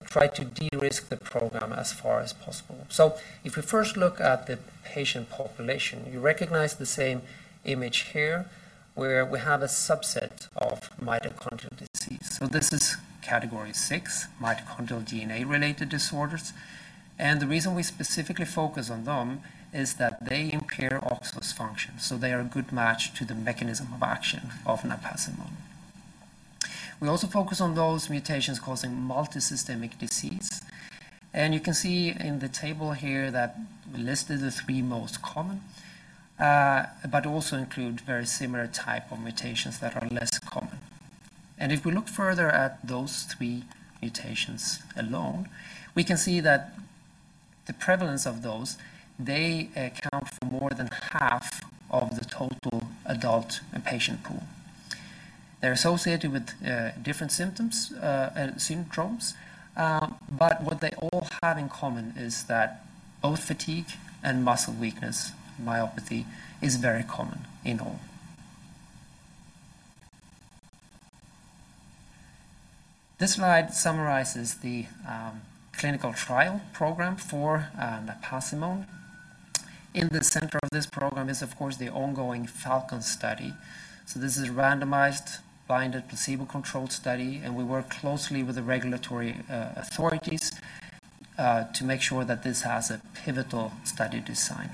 tried to de-risk the program as far as possible. So if we first look at the patient population, you recognize the same image here where we have a subset of mitochondrial disease. So this is category six, mitochondrial DNA-related disorders. And the reason we specifically focus on them is that they impair OXPHOS function. So they are a good match to the mechanism of action of napazimone. We also focus on those mutations causing multisystemic disease. And you can see in the table here that we listed the three most common, but also include very similar types of mutations that are less common. If we look further at those three mutations alone, we can see that the prevalence of those, they account for more than half of the total adult patient pool. They're associated with different symptoms and syndromes. But what they all have in common is that both fatigue and muscle weakness, myopathy, is very common in all. This slide summarizes the clinical trial program for napazimone. In the center of this program is, of course, the ongoing FALCON study. So this is a randomized, blinded, placebo-controlled study. And we work closely with the regulatory authorities to make sure that this has a pivotal study design.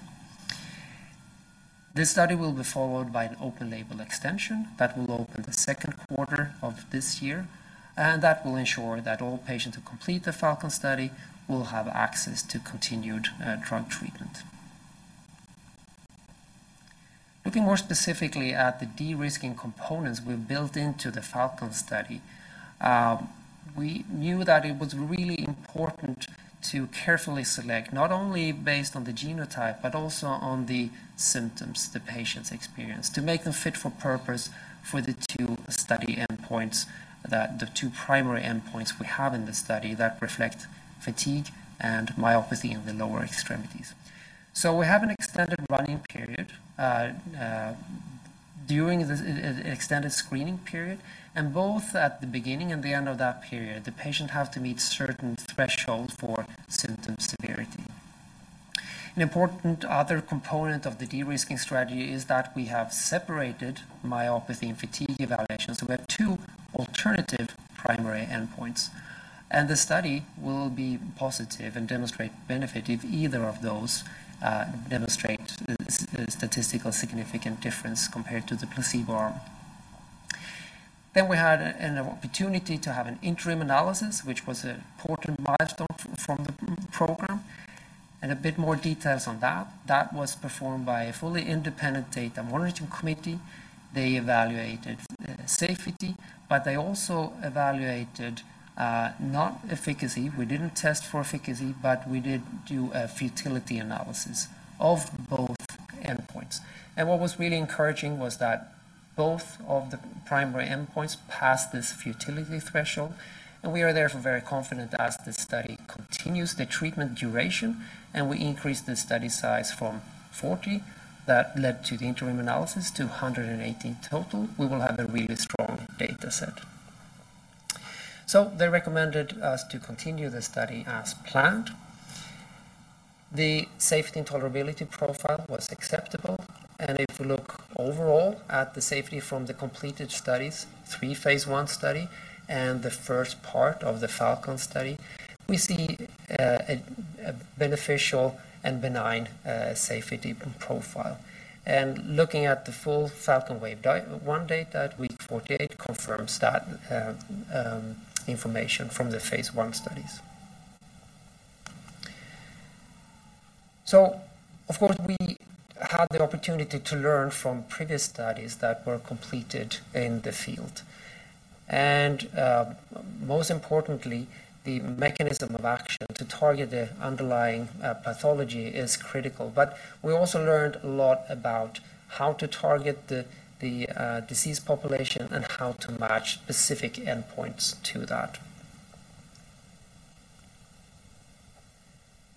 This study will be followed by an open-label extension that will open the second quarter of this year. And that will ensure that all patients who complete the FALCON study will have access to continued drug treatment. Looking more specifically at the de-risking components we built into the FALCON study, we knew that it was really important to carefully select, not only based on the genotype but also on the symptoms the patients experience, to make them fit for purpose for the two study endpoints, the two primary endpoints we have in the study that reflect fatigue and myopathy in the lower extremities. We have an extended run-in period, an extended screening period. Both at the beginning and the end of that period, the patient has to meet certain thresholds for symptom severity. An important other component of the de-risking strategy is that we have separated myopathy and fatigue evaluations. We have two alternative primary endpoints. The study will be positive and demonstrate benefit if either of those demonstrates a statistically significant difference compared to the placebo arm. Then we had an opportunity to have an interim analysis, which was an important milestone from the program, and a bit more details on that. That was performed by a fully independent data monitoring committee. They evaluated safety. But they also evaluated efficacy. We didn't test for efficacy. But we did do a futility analysis of both endpoints. And what was really encouraging was that both of the primary endpoints passed this futility threshold. And we are therefore very confident that as this study continues, the treatment duration, and we increase the study size from 40, that led to the interim analysis, to 118 total, we will have a really strong data set. So they recommended us to continue the study as planned. The safety and tolerability profile was acceptable. If we look overall at the safety from the completed studies, three phase I studies and the first part of the FALCON study, we see a beneficial and benign safety profile. Looking at the full FALCON Wave 1 data, week 48 confirms that information from the phase I studies. Of course, we had the opportunity to learn from previous studies that were completed in the field. Most importantly, the mechanism of action to target the underlying pathology is critical. But we also learned a lot about how to target the disease population and how to match specific endpoints to that.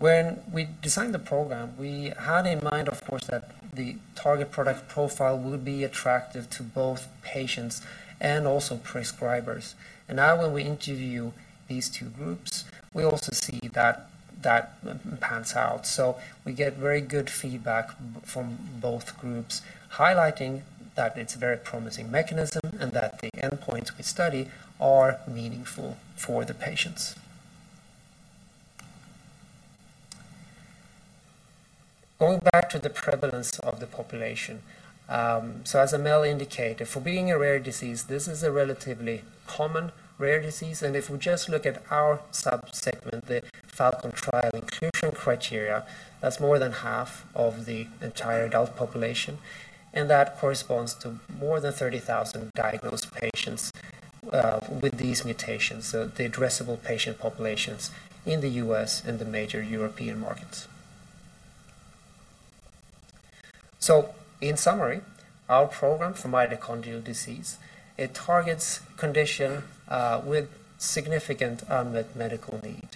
When we designed the program, we had in mind, of course, that the target product profile would be attractive to both patients and also prescribers. Now, when we interview these two groups, we also see that pans out. So we get very good feedback from both groups, highlighting that it's a very promising mechanism and that the endpoints we study are meaningful for the patients. Going back to the prevalence of the population. So as Amel indicated, for being a rare disease, this is a relatively common rare disease. If we just look at our subsegment, the FALCON trial inclusion criteria, that's more than half of the entire adult population. And that corresponds to more than 30,000 diagnosed patients with these mutations, so the addressable patient populations in the U.S. and the major European markets. In summary, our program for mitochondrial disease targets conditions with significant unmet medical need.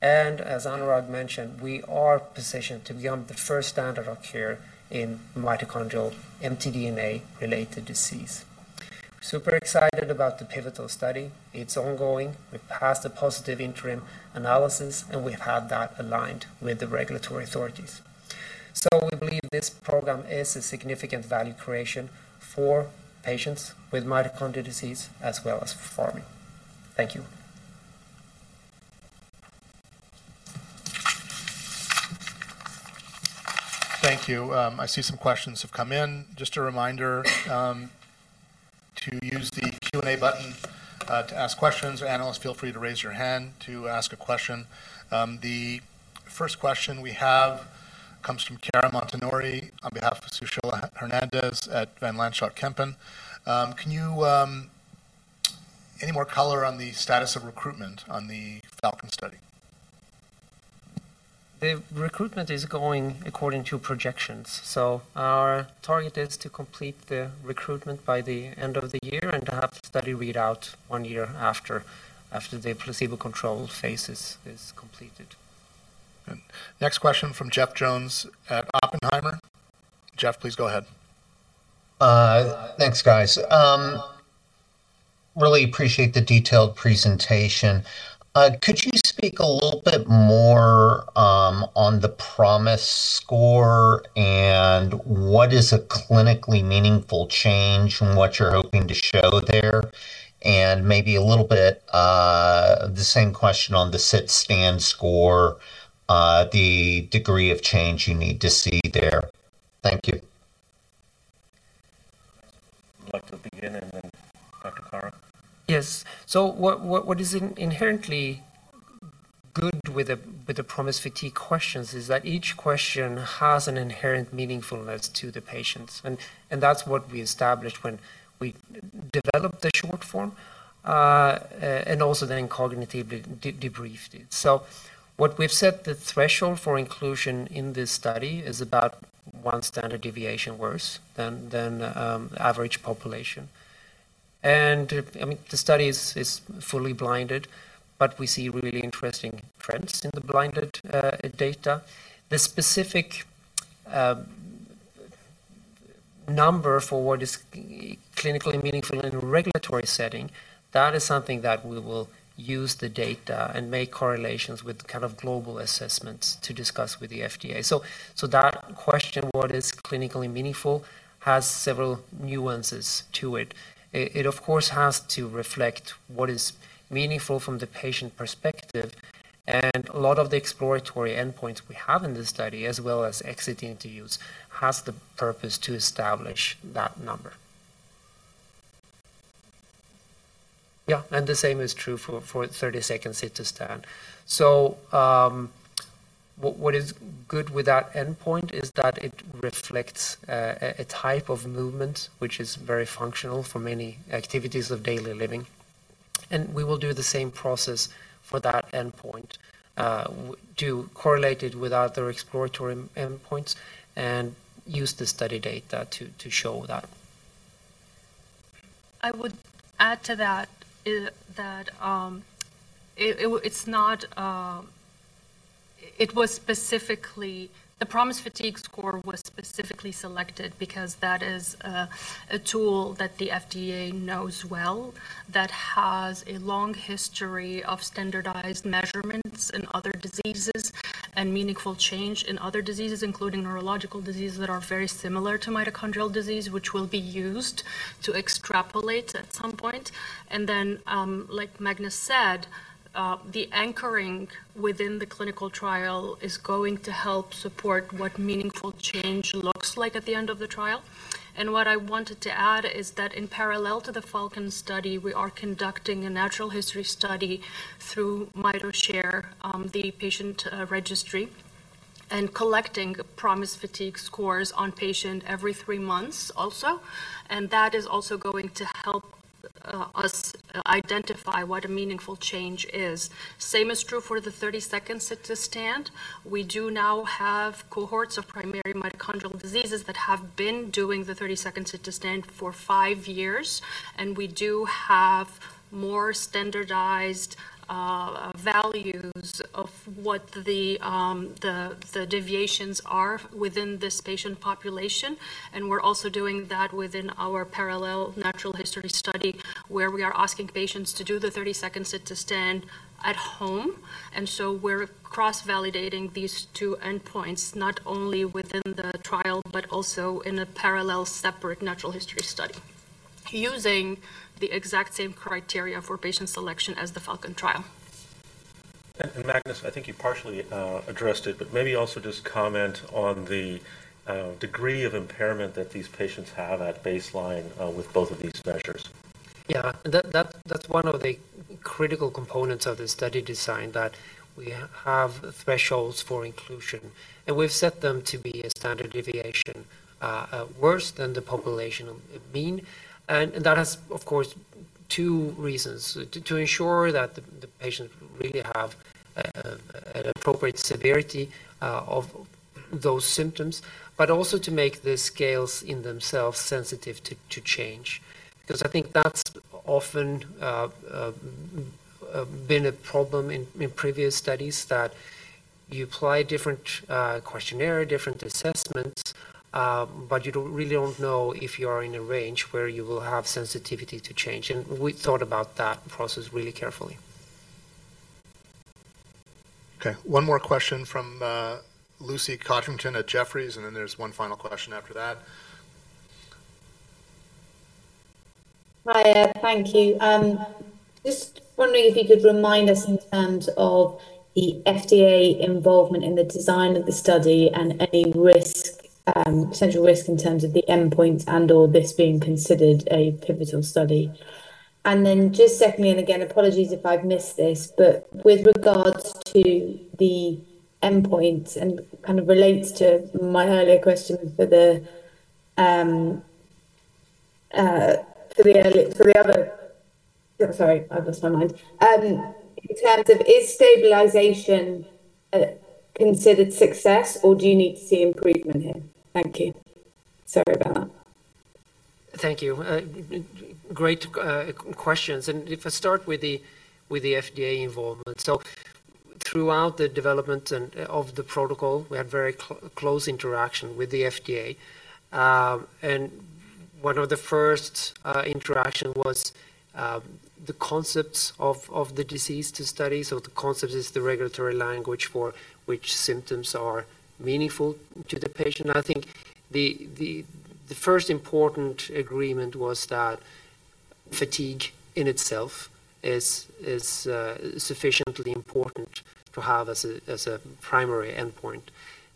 As Anurag mentioned, we are positioned to become the first standard of care in mitochondrial mtDNA-related disease. We're super excited about the pivotal study. It's ongoing. We passed a positive interim analysis. And we've had that aligned with the regulatory authorities. So we believe this program is a significant value creation for patients with mitochondrial disease as well as Pharming. Thank you. Thank you. I see some questions have come in. Just a reminder to use the Q&A button to ask questions. Analysts, feel free to raise your hand to ask a question. The first question we have comes from Chiara Montanari on behalf of Sushila Hernandez at Van Lanschot Kempen. Can you any more color on the status of recruitment on the FALCON study? The recruitment is going according to projections. So our target is to complete the recruitment by the end of the year and to have the study read out one year after the placebo control phase is completed. Next question from Jeff Jones at Oppenheimer. Jeff, please go ahead. Thanks, guys. Really appreciate the detailed presentation. Could you speak a little bit more on the PROMIS score and what is a clinically meaningful change and what you're hoping to show there? And maybe a little bit the same question on the sit-stand score, the degree of change you need to see there. Thank you. I'd like to begin. And then Dr. Karaa? Yes. So what is inherently good with the PROMIS fatigue questions is that each question has an inherent meaningfulness to the patients. And that's what we established when we developed the short form and also then cognitively debriefed it. So what we've said, the threshold for inclusion in this study is about one standard deviation worse than the average population. And I mean, the study is fully blinded. But we see really interesting trends in the blinded data. The specific number for what is clinically meaningful in a regulatory setting, that is something that we will use the data and make correlations with kind of global assessments to discuss with the FDA. So that question, what is clinically meaningful, has several nuances to it. It, of course, has to reflect what is meaningful from the patient perspective. And a lot of the exploratory endpoints we have in this study, as well as exit interviews, have the purpose to establish that number. Yeah, and the same is true for 30 seconds sit-to-stand. So what is good with that endpoint is that it reflects a type of movement, which is very functional for many activities of daily living. And we will do the same process for that endpoint, correlate it with other exploratory endpoints, and use the study data to show that. I would add to that that it was specifically the PROMIS Fatigue score was specifically selected because that is a tool that the FDA knows well, that has a long history of standardized measurements in other diseases and meaningful change in other diseases, including neurological diseases that are very similar to mitochondrial disease, which will be used to extrapolate at some point. And then, like Magnus said, the anchoring within the clinical trial is going to help support what meaningful change looks like at the end of the trial. And what I wanted to add is that in parallel to the FALCON study, we are conducting a natural history study through mitoSHARE, the patient registry, and collecting PROMIS Fatigue scores on patients every three months also. And that is also going to help us identify what a meaningful change is. Same is true for the 30 seconds sit-to-stand. We do now have cohorts of primary mitochondrial diseases that have been doing the 30 seconds sit-to-stand for five years. We do have more standardized values of what the deviations are within this patient population. We're also doing that within our parallel natural history study, where we are asking patients to do the 30 seconds sit-to-stand at home. So we're cross-validating these two endpoints, not only within the trial but also in a parallel, separate natural history study, using the exact same criteria for patient selection as the FALCON trial. Magnus, I think you partially addressed it. Maybe also just comment on the degree of impairment that these patients have at baseline with both of these measures. Yeah. That's one of the critical components of the study design, that we have thresholds for inclusion. We've set them to be a standard deviation worse than the population mean. That has, of course, two reasons: to ensure that the patients really have an appropriate severity of those symptoms, but also to make the scales in themselves sensitive to change. Because I think that's often been a problem in previous studies, that you apply different questionnaires, different assessments, but you really don't know if you are in a range where you will have sensitivity to change. We thought about that process really carefully. OK. One more question from Lucy Codrington at Jefferies. Then there's one final question after that. Hi. Thank you. Just wondering if you could remind us, in terms of the FDA involvement in the design of the study and any risk, potential risk, in terms of the endpoints and/or this being considered a pivotal study? And then just secondly, and again, apologies if I've missed this, but with regards to the endpoints and kind of relates to my earlier question for the other sorry, I've lost my mind. In terms of, is stabilization considered success, or do you need to see improvement here? Thank you. Sorry about that. Thank you. Great questions. If I start with the FDA involvement. So throughout the development of the protocol, we had very close interaction with the FDA. And one of the first interactions was the concepts of the disease to study. So the concept is the regulatory language for which symptoms are meaningful to the patient. I think the first important agreement was that fatigue in itself is sufficiently important to have as a primary endpoint.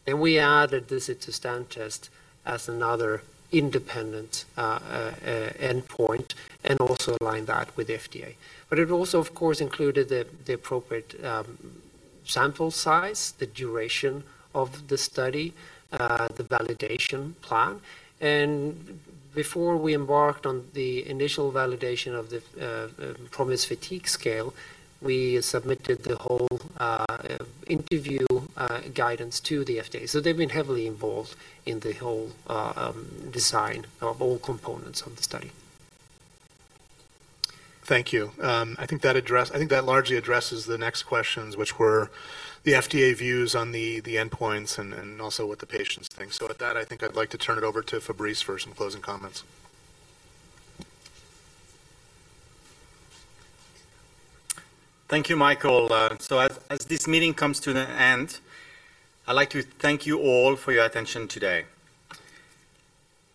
Then we added the sit-to-stand test as another independent endpoint and also aligned that with the FDA. But it also, of course, included the appropriate sample size, the duration of the study, the validation plan. Before we embarked on the initial validation of the PROMIS fatigue scale, we submitted the whole interview guidance to the FDA. So they've been heavily involved in the whole design of all components of the study. Thank you. I think that largely addresses the next questions, which were the FDA views on the endpoints and also what the patients think. So at that, I think I'd like to turn it over to Fabrice for some closing comments. Thank you, Michael. So as this meeting comes to an end, I'd like to thank you all for your attention today.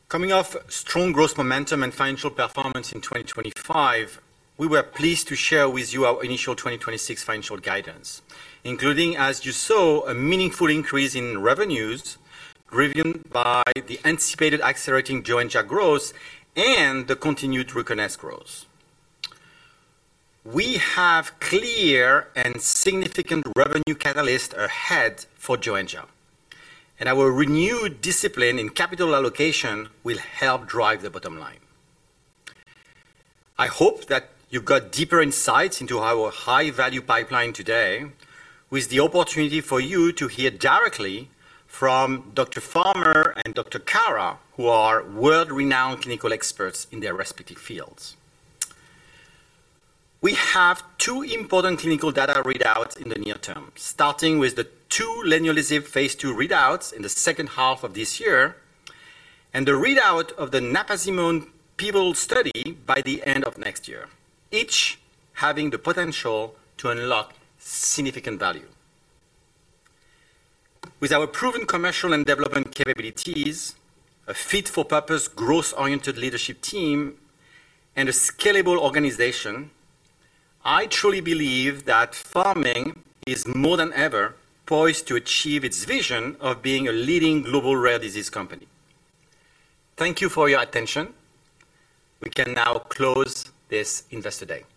Coming off strong growth momentum and financial performance in 2025, we were pleased to share with you our initial 2026 financial guidance, including, as you saw, a meaningful increase in revenues driven by the anticipated accelerating Joenja growth and the continued RUCONEST growth. We have clear and significant revenue catalysts ahead for Joenja. Our renewed discipline in capital allocation will help drive the bottom line. I hope that you got deeper insights into our high-value pipeline today, with the opportunity for you to hear directly from Dr. Farmer and Dr. Karaa, who are world-renowned clinical experts in their respective fields. We have two important clinical data readouts in the near term, starting with the two leniolisib phase II readouts in the second half of this year and the readout of the napazimone pivotal study by the end of next year, each having the potential to unlock significant value. With our proven commercial and development capabilities, a fit-for-purpose growth-oriented leadership team, and a scalable organization, I truly believe that Pharming is more than ever poised to achieve its vision of being a leading global rare disease company. Thank you for your attention. We can now close this Investor Day.